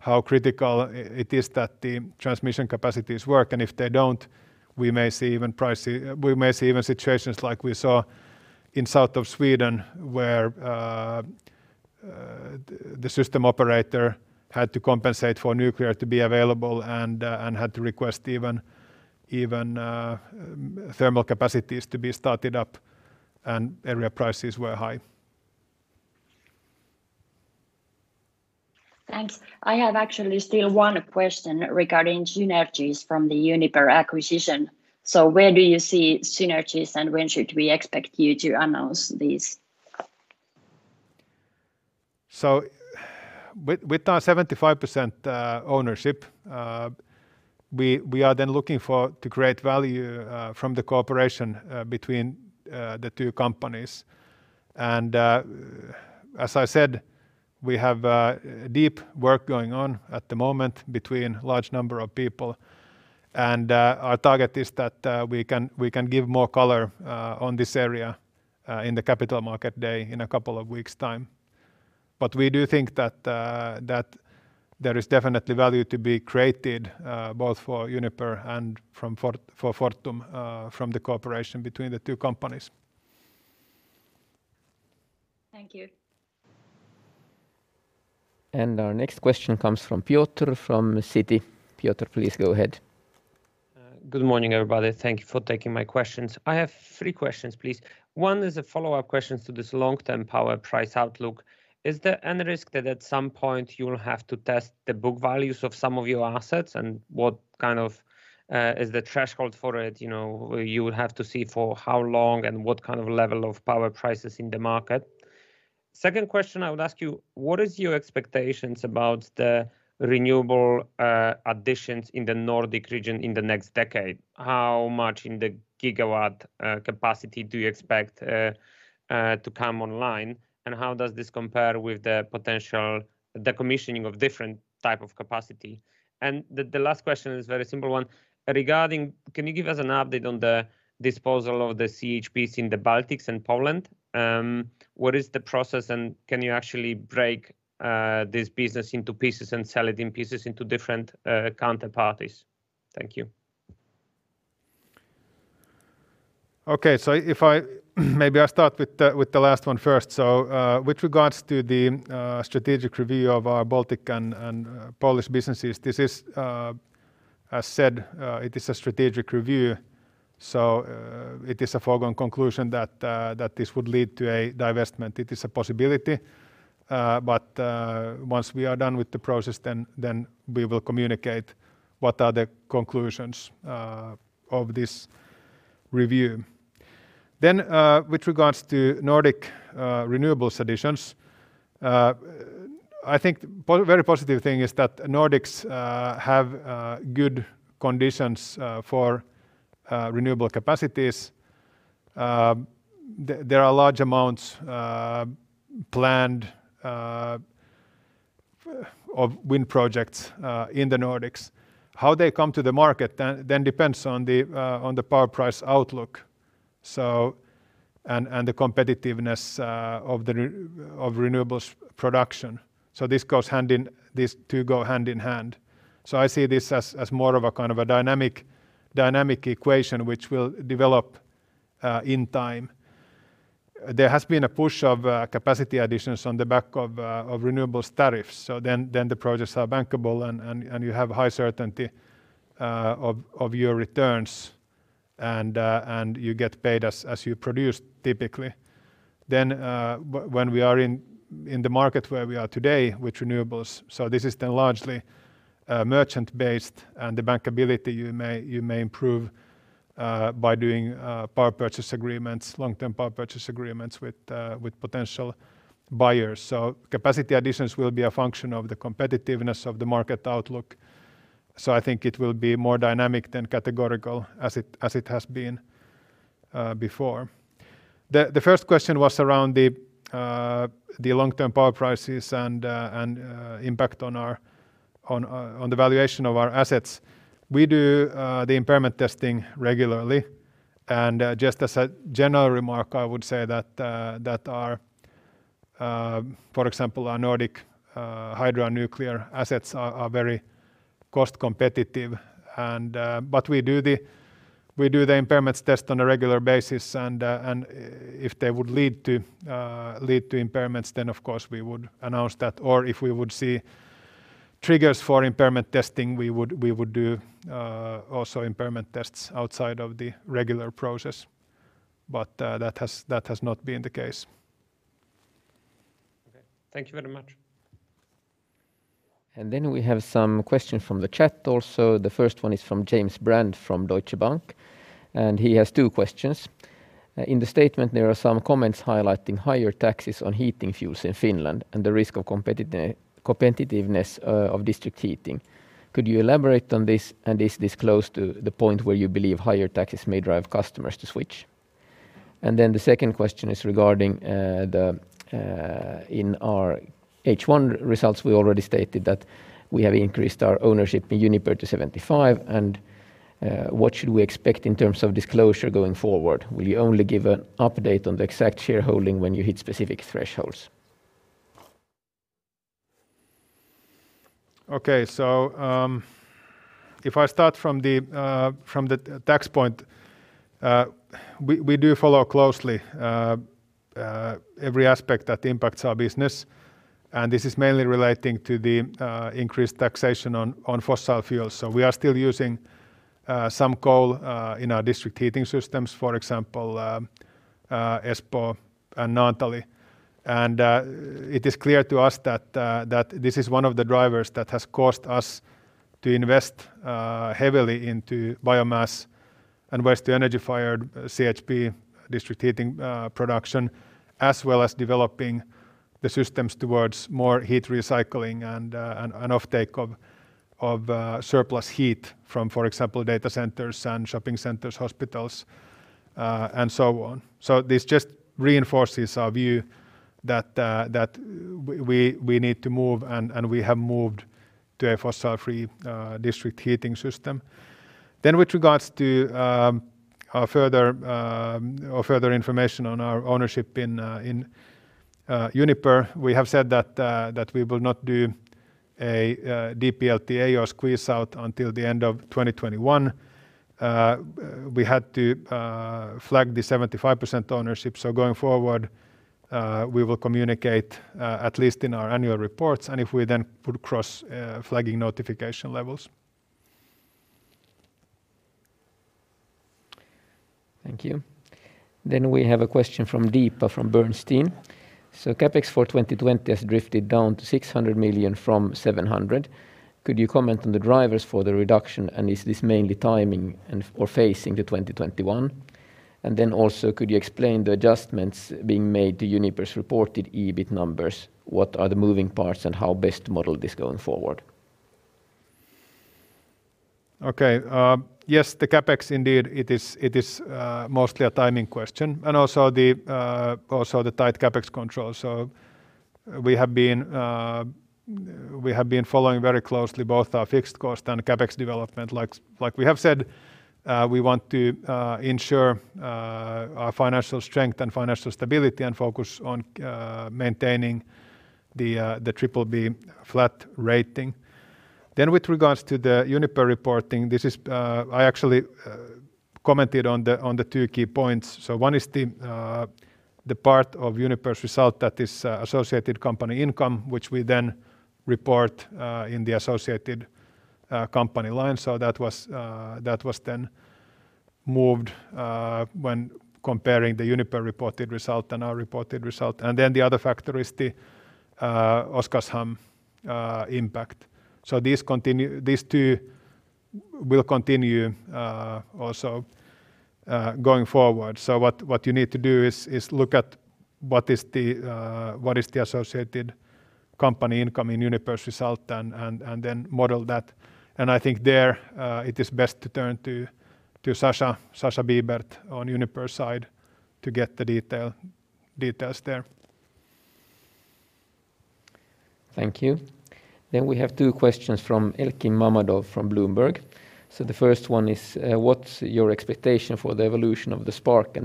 [SPEAKER 2] how critical it is that the transmission capacities work, and if they don't, we may see even situations like we saw in south of Sweden where the system operator had to compensate for nuclear to be available and had to request even thermal capacities to be started up, and area prices were high.
[SPEAKER 8] Thanks. I have actually still one question regarding synergies from the Uniper acquisition. Where do you see synergies, and when should we expect you to announce these?
[SPEAKER 2] With our 75% ownership, we are then looking to create value from the cooperation between the two companies. As I said, we have deep work going on at the moment between large number of people. Our target is that we can give more color on this area in the Capital Markets Day in a couple of weeks' time. We do think that there is definitely value to be created both for Uniper and for Fortum from the cooperation between the two companies.
[SPEAKER 8] Thank you.
[SPEAKER 4] Our next question comes from Piotr from Citi. Piotr, please go ahead.
[SPEAKER 9] Good morning, everybody. Thank you for taking my questions. I have three questions, please. One is a follow-up question to this long-term power price outlook. Is there any risk that at some point you will have to test the book values of some of your assets? What is the threshold for it? You will have to see for how long and what kind of level of power prices in the market. Second question I would ask you, what is your expectations about the renewable additions in the Nordic region in the next decade? How much in the gigawatt capacity do you expect to come online, and how does this compare with the potential decommissioning of different type of capacity? The last question is a very simple one. Can you give us an update on the disposal of the CHPs in the Baltics and Poland? What is the process, and can you actually break this business into pieces and sell it in pieces into different counterparties? Thank you.
[SPEAKER 2] Okay. Maybe I start with the last one first. With regards to the strategic review of our Baltic and Polish businesses, as said, it is a strategic review, so it is a foregone conclusion that this would lead to a divestment. It is a possibility, but once we are done with the process, then we will communicate what are the conclusions of this review. With regards to Nordic renewables additions, I think very positive thing is that Nordics have good conditions for renewable capacities. There are large amounts planned of wind projects in the Nordics. How they come to the market then depends on the power price outlook and the competitiveness of renewables production. These two go hand in hand. I see this as more of a dynamic equation, which will develop in time. There has been a push of capacity additions on the back of renewables tariffs, the projects are bankable and you have high certainty of your returns, and you get paid as you produce typically. When we are in the market where we are today with renewables, this is largely merchant based and the bankability you may improve by doing power purchase agreements, long-term power purchase agreements with potential buyers. Capacity additions will be a function of the competitiveness of the market outlook. I think it will be more dynamic than categorical as it has been before. The first question was around the long-term power prices and impact on the valuation of our assets. We do the impairment testing regularly. Just as a general remark, I would say that, for example, our Nordic hydro and nuclear assets are very cost competitive. We do the impairments test on a regular basis, and if they would lead to impairments, then of course we would announce that. If we would see triggers for impairment testing, we would do also impairment tests outside of the regular process. That has not been the case.
[SPEAKER 9] Okay. Thank you very much.
[SPEAKER 4] Then we have some questions from the chat also. The first one is from James Brand from Deutsche Bank, and he has two questions. In the statement, there are some comments highlighting higher taxes on heating fuels in Finland and the risk of competitiveness of district heating. Could you elaborate on this? Is this close to the point where you believe higher taxes may drive customers to switch? The second question is regarding in our H1 results, we already stated that we have increased our ownership in Uniper to 75, and what should we expect in terms of disclosure going forward? Will you only give an update on the exact shareholding when you hit specific thresholds?
[SPEAKER 2] If I start from the tax point, we do follow closely every aspect that impacts our business, and this is mainly relating to the increased taxation on fossil fuels. We are still using some coal in our district heating systems, for example Espoo and Naantali. It is clear to us that this is one of the drivers that has caused us to invest heavily into biomass and waste-to-energy-fired CHP district heating production, as well as developing the systems towards more heat recycling and offtake of surplus heat from, for example, data centers and shopping centers, hospitals, and so on. This just reinforces our view that we need to move, and we have moved to a fossil-free district heating system. With regards to further information on our ownership in Uniper, we have said that we will not do a DPLTA or squeeze out until the end of 2021. We had to flag the 75% ownership. Going forward, we will communicate at least in our annual reports and if we then would cross flagging notification levels.
[SPEAKER 4] Thank you. We have a question from Deepa from Bernstein. CapEx for 2020 has drifted down to 600 million from 700 million. Could you comment on the drivers for the reduction, and is this mainly timing and/or phasing to 2021? Also, could you explain the adjustments being made to Uniper's reported EBIT numbers? What are the moving parts and how best to model this going forward?
[SPEAKER 2] Yes, the CapEx indeed, it is mostly a timing question and also the tight CapEx control. We have been following very closely both our fixed cost and CapEx development. Like we have said, we want to ensure our financial strength and financial stability and focus on maintaining the BBB flat rating. With regards to the Uniper reporting, I actually commented on the two key points. One is the part of Uniper's result that is associated company income, which we then report in the associated company line. That was then moved when comparing the Uniper reported result and our reported result. The other factor is the Oskarshamn impact. These two will continue also going forward. What you need to do is look at what is the associated company income in Uniper's result and then model that.I think there it is best to turn to Sascha Bibert on Uniper's side to get the details there.
[SPEAKER 4] Thank you. We have two questions from Elchin Mammadov, from Bloomberg. The first one is, what's your expectation for the evolution of the spark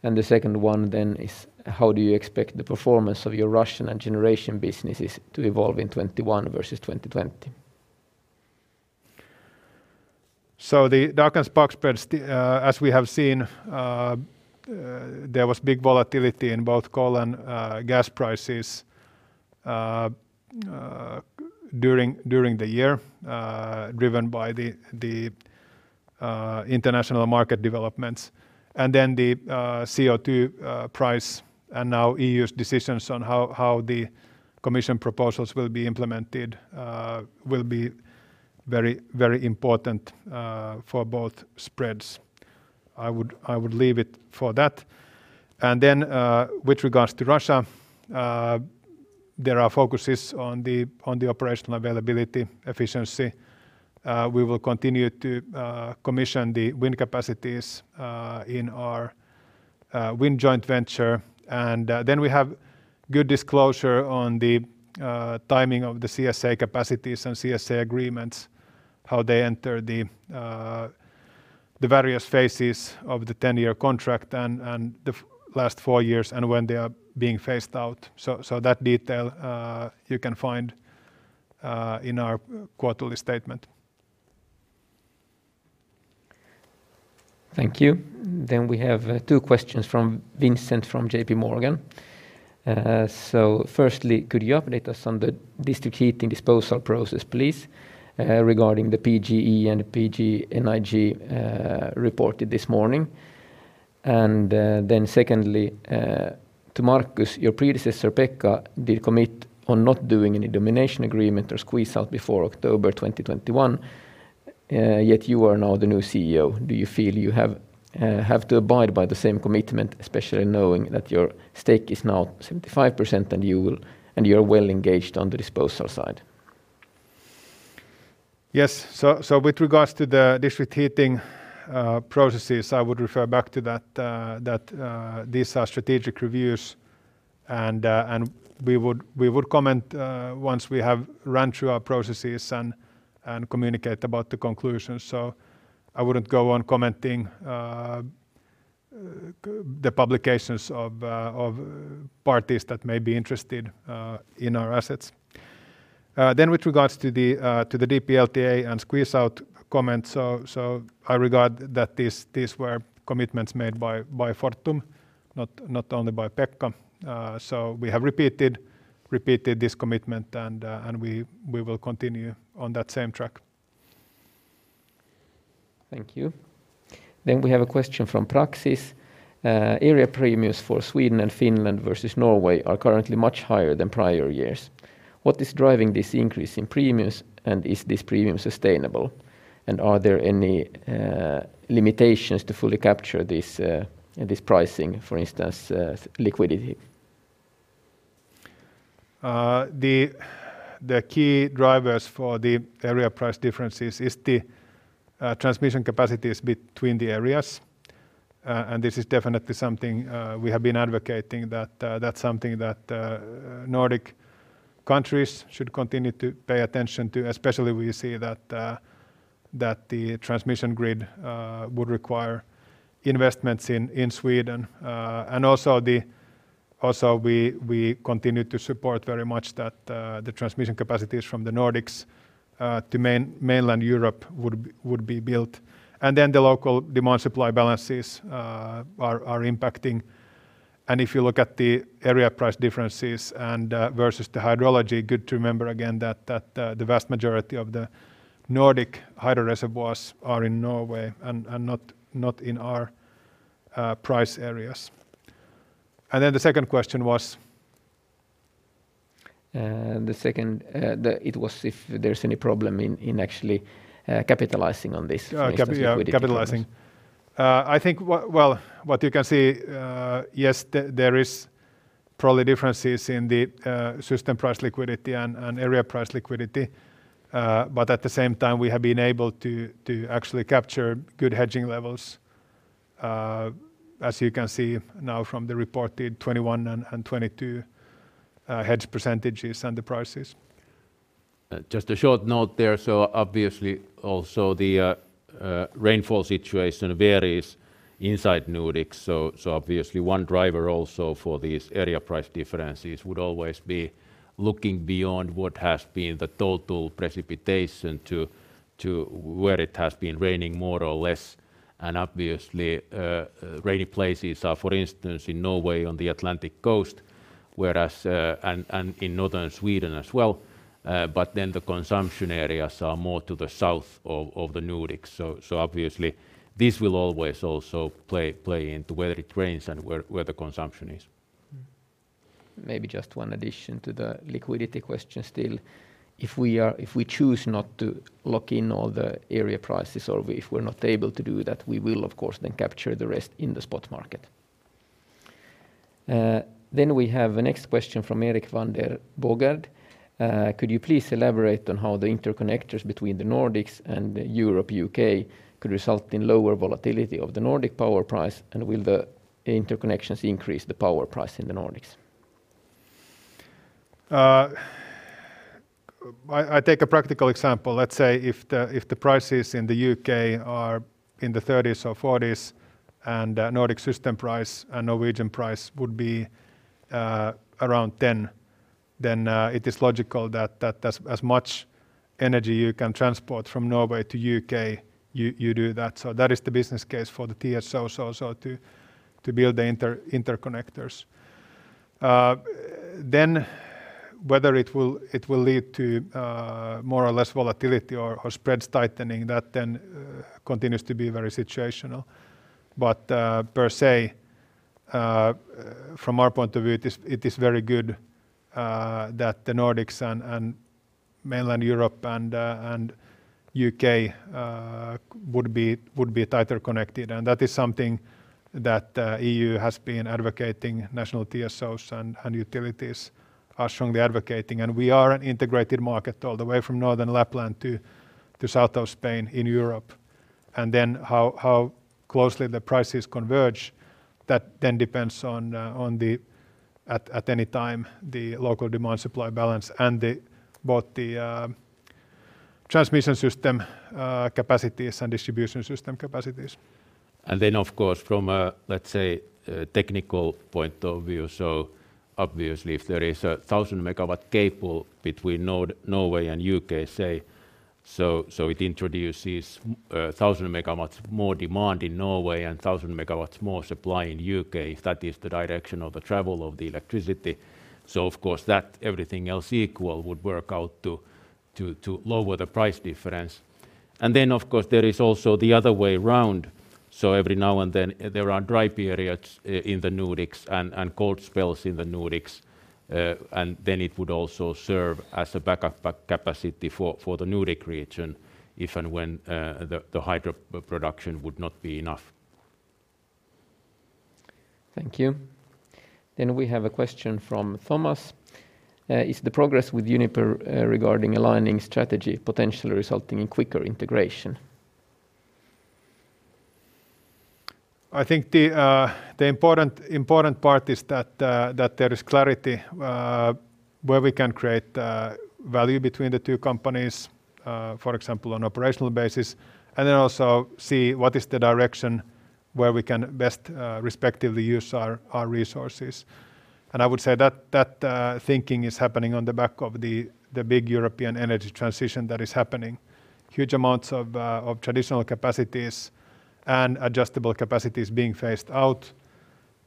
[SPEAKER 4] and dark spreads in 2021? The second one is, how do you expect the performance of your Russian and generation businesses to evolve in 2021 versus 2020?
[SPEAKER 2] The dark and spark spreads, as we have seen, there was big volatility in both coal and gas prices during the year driven by the international market developments. The CO2 price, and now EU's decisions on how the commission proposals will be implemented will be very important for both spreads. I would leave it for that. With regards to Russia, there are focuses on the operational availability efficiency. We will continue to commission the wind capacities in our wind joint venture. We have good disclosure on the timing of the CSA capacities and CSA agreements, how they enter the various phases of the 10-year contract and the last four years and when they are being phased out. That detail you can find in our quarterly statement.
[SPEAKER 4] Thank you. We have two questions from Vincent from JPMorgan. Firstly, could you update us on the district heating disposal process, please, regarding the PGE and PGNiG reported this morning? Secondly, to Markus, your predecessor, Pekka, did commit on not doing any domination agreement or squeeze out before October 2021, yet you are now the new CEO. Do you feel you have to abide by the same commitment, especially knowing that your stake is now 75% and you're well engaged on the disposal side?
[SPEAKER 2] Yes. With regards to the district heating processes, I would refer back to that these are strategic reviews, and we would comment once we have run through our processes and communicate about the conclusions. I wouldn't go on commenting the publications of parties that may be interested in our assets. With regards to the DPLTA and squeeze-out comment, I regard that these were commitments made by Fortum, not only by Pekka. We have repeated this commitment, and we will continue on that same track.
[SPEAKER 4] Thank you. We have a question from Praxis. Area premiums for Sweden and Finland versus Norway are currently much higher than prior years. What is driving this increase in premiums? Is this premium sustainable? Are there any limitations to fully capture this pricing, for instance, liquidity?
[SPEAKER 2] The key drivers for the area price differences is the transmission capacities between the areas. This is definitely something we have been advocating that's something that Nordic countries should continue to pay attention to, especially we see that the transmission grid would require investments in Sweden. Also we continue to support very much that the transmission capacities from the Nordics to mainland Europe would be built. Then the local demand-supply balances are impacting. If you look at the area price differences and versus the hydrology, good to remember again that the vast majority of the Nordic hydro reservoirs are in Norway and not in our price areas. Then the second question was?
[SPEAKER 4] The second, it was if there's any problem in actually capitalizing on this, for instance, liquidity difference.
[SPEAKER 2] Capitalizing. I think, well, what you can see, yes, there is probably differences in the system price liquidity and area price liquidity. At the same time, we have been able to actually capture good hedging levels, as you can see now from the reported 2021 and 2022 hedge % and the prices.
[SPEAKER 3] Just a short note there. Obviously, the rainfall situation varies inside Nordics. One driver for these area price differences would always be looking beyond what has been the total precipitation to where it has been raining more or less. Rainy places are, for instance, in Norway on the Atlantic coast and in Northern Sweden as well. The consumption areas are more to the south of the Nordics. This will always also play into whether it rains and where the consumption is.
[SPEAKER 4] Maybe just one addition to the liquidity question still. If we choose not to lock in all the area prices or if we're not able to do that, we will, of course, then capture the rest in the spot market. We have a next question from Erik van den Bogaert. Could you please elaborate on how the interconnectors between the Nordics and Europe, U.K. could result in lower volatility of the Nordic power price? Will the interconnections increase the power price in the Nordics?
[SPEAKER 2] I take a practical example. Let's say if the prices in the U.K. are in the 30s or 40s and Nordic system price and Norwegian price would be around 10, then it is logical that as much energy you can transport from Norway to U.K., you do that. That is the business case for the TSOs to build the interconnectors. Whether it will lead to more or less volatility or spreads tightening, that then continues to be very situational. Per se, from our point of view, it is very good that the Nordics and mainland Europe and U.K. would be tighter connected. That is something that EU has been advocating, national TSOs and utilities are strongly advocating. We are an integrated market all the way from Northern Lapland to south of Spain in Europe.How closely the prices converge, that then depends on, at any time, the local demand-supply balance and both the transmission system capacities and distribution system capacities.
[SPEAKER 3] From a technical point of view, if there is a 1,000 MW cable between Norway and U.K., it introduces 1,000 MW more demand in Norway and 1,000 MW more supply in U.K. That is the direction of the travel of the electricity. That, everything else equal, would work out to lower the price difference. There is also the other way around. Every now and then, there are dry periods in the Nordics and cold spells in the Nordics. It would also serve as a backup capacity for the Nordic region if and when the hydro production would not be enough.
[SPEAKER 4] Thank you. We have a question from Thomas. Is the progress with Uniper regarding aligning strategy potentially resulting in quicker integration?
[SPEAKER 2] I think the important part is that there is clarity where we can create value between the two companies, for example, on operational basis, and then also see what is the direction where we can best respectively use our resources. I would say that thinking is happening on the back of the big European energy transition that is happening. Huge amounts of traditional capacities and adjustable capacities being phased out.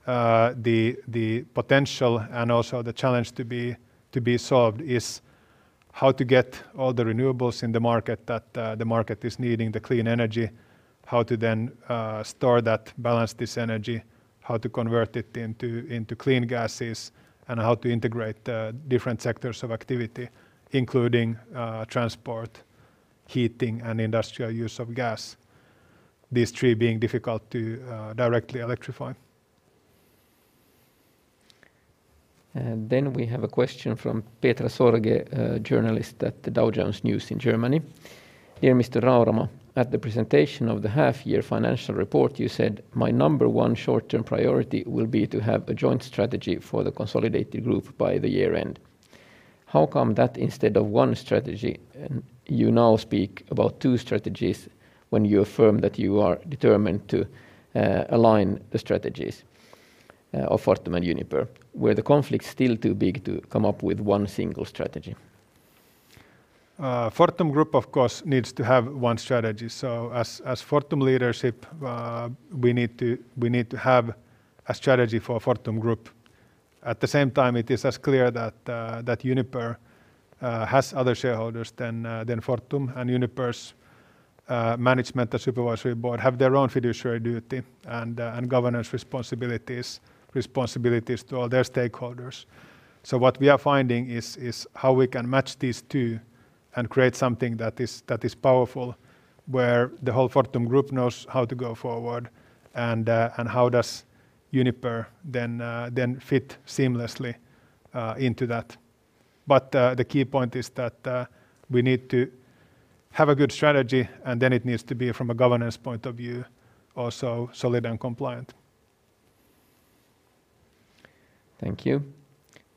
[SPEAKER 2] The potential and also the challenge to be solved is how to get all the renewables in the market that the market is needing, the clean energy, how to then store that, balance this energy, how to convert it into clean gases, and how to integrate different sectors of activity, including transport, heating, and industrial use of gas. These three being difficult to directly electrify.
[SPEAKER 4] We have a question from Petra Sorge, a journalist at the Dow Jones News in Germany. Dear Mr. Markus Rauramo, at the presentation of the half-year financial report, you said, "My number one short-term priority will be to have a joint strategy for the consolidated group by the year-end." How come that instead of one strategy, you now speak about two strategies when you affirm that you are determined to align the strategies of Fortum and Uniper? Were the conflicts still too big to come up with one single strategy?
[SPEAKER 2] Fortum Group, of course, needs to have one strategy. As Fortum leadership, we need to have a strategy for Fortum Group. At the same time, it is as clear that Uniper has other shareholders than Fortum, and Uniper's management and supervisory board have their own fiduciary duty and governance responsibilities to all their stakeholders. What we are finding is how we can match these two and create something that is powerful, where the whole Fortum Group knows how to go forward and how does Uniper then fit seamlessly into that. The key point is that we need to have a good strategy, and then it needs to be from a governance point of view, also solid and compliant.
[SPEAKER 4] Thank you.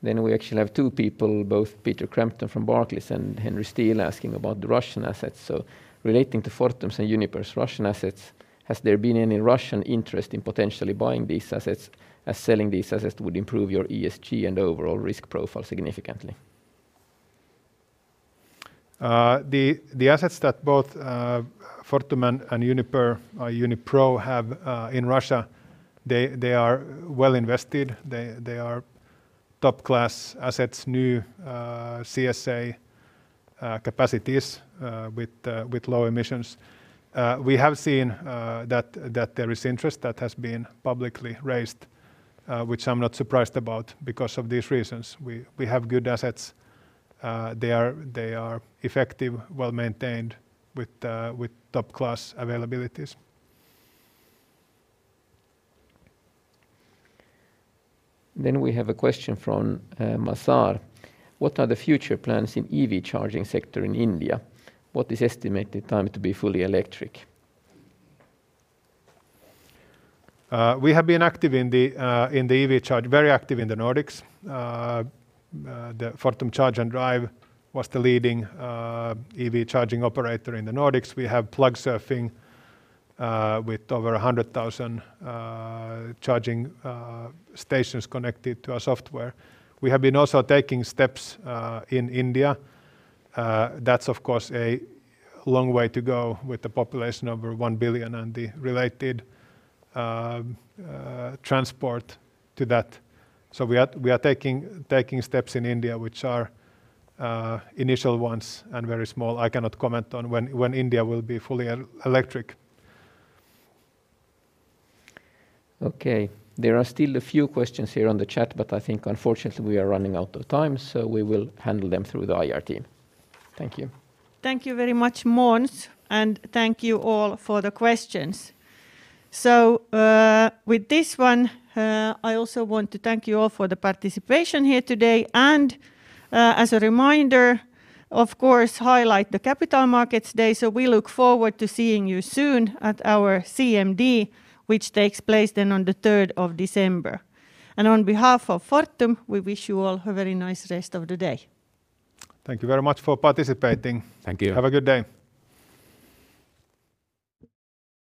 [SPEAKER 4] We actually have two people, both Peter Crampton from Barclays and Henry Steel asking about the Russian assets. Relating to Fortum's and Uniper's Russian assets, has there been any Russian interest in potentially buying these assets, as selling these assets would improve your ESG and overall risk profile significantly?
[SPEAKER 2] The assets that both Fortum and Uniper or Uniper have in Russia, they are well invested. They are top-class assets, new CSA capacities with low emissions. We have seen that there is interest that has been publicly raised, which I'm not surprised about because of these reasons. We have good assets. They are effective, well-maintained with top-class availabilities.
[SPEAKER 4] We have a question from Massar. What are the future plans in EV charging sector in India? What is estimated time to be fully electric?
[SPEAKER 2] We have been very active in the Nordics. The Fortum Charge & Drive was the leading EV charging operator in the Nordics. We have Plugsurfing with over 100,000 charging stations connected to our software. We have been also taking steps in India. That's of course a long way to go with the population over 1 billion and the related transport to that. We are taking steps in India, which are initial ones and very small. I cannot comment on when India will be fully electric.
[SPEAKER 4] Okay. There are still a few questions here on the chat, but I think unfortunately we are running out of time, so we will handle them through the IR team. Thank you.
[SPEAKER 1] Thank you very much, Måns, thank you all for the questions. With this one, I also want to thank you all for the participation here today and, as a reminder, of course, highlight the Capital Markets Day. We look forward to seeing you soon at our CMD, which takes place then on the 3rd of December. On behalf of Fortum, we wish you all a very nice rest of the day.
[SPEAKER 2] Thank you very much for participating.
[SPEAKER 4] Thank you.
[SPEAKER 2] Have a good day.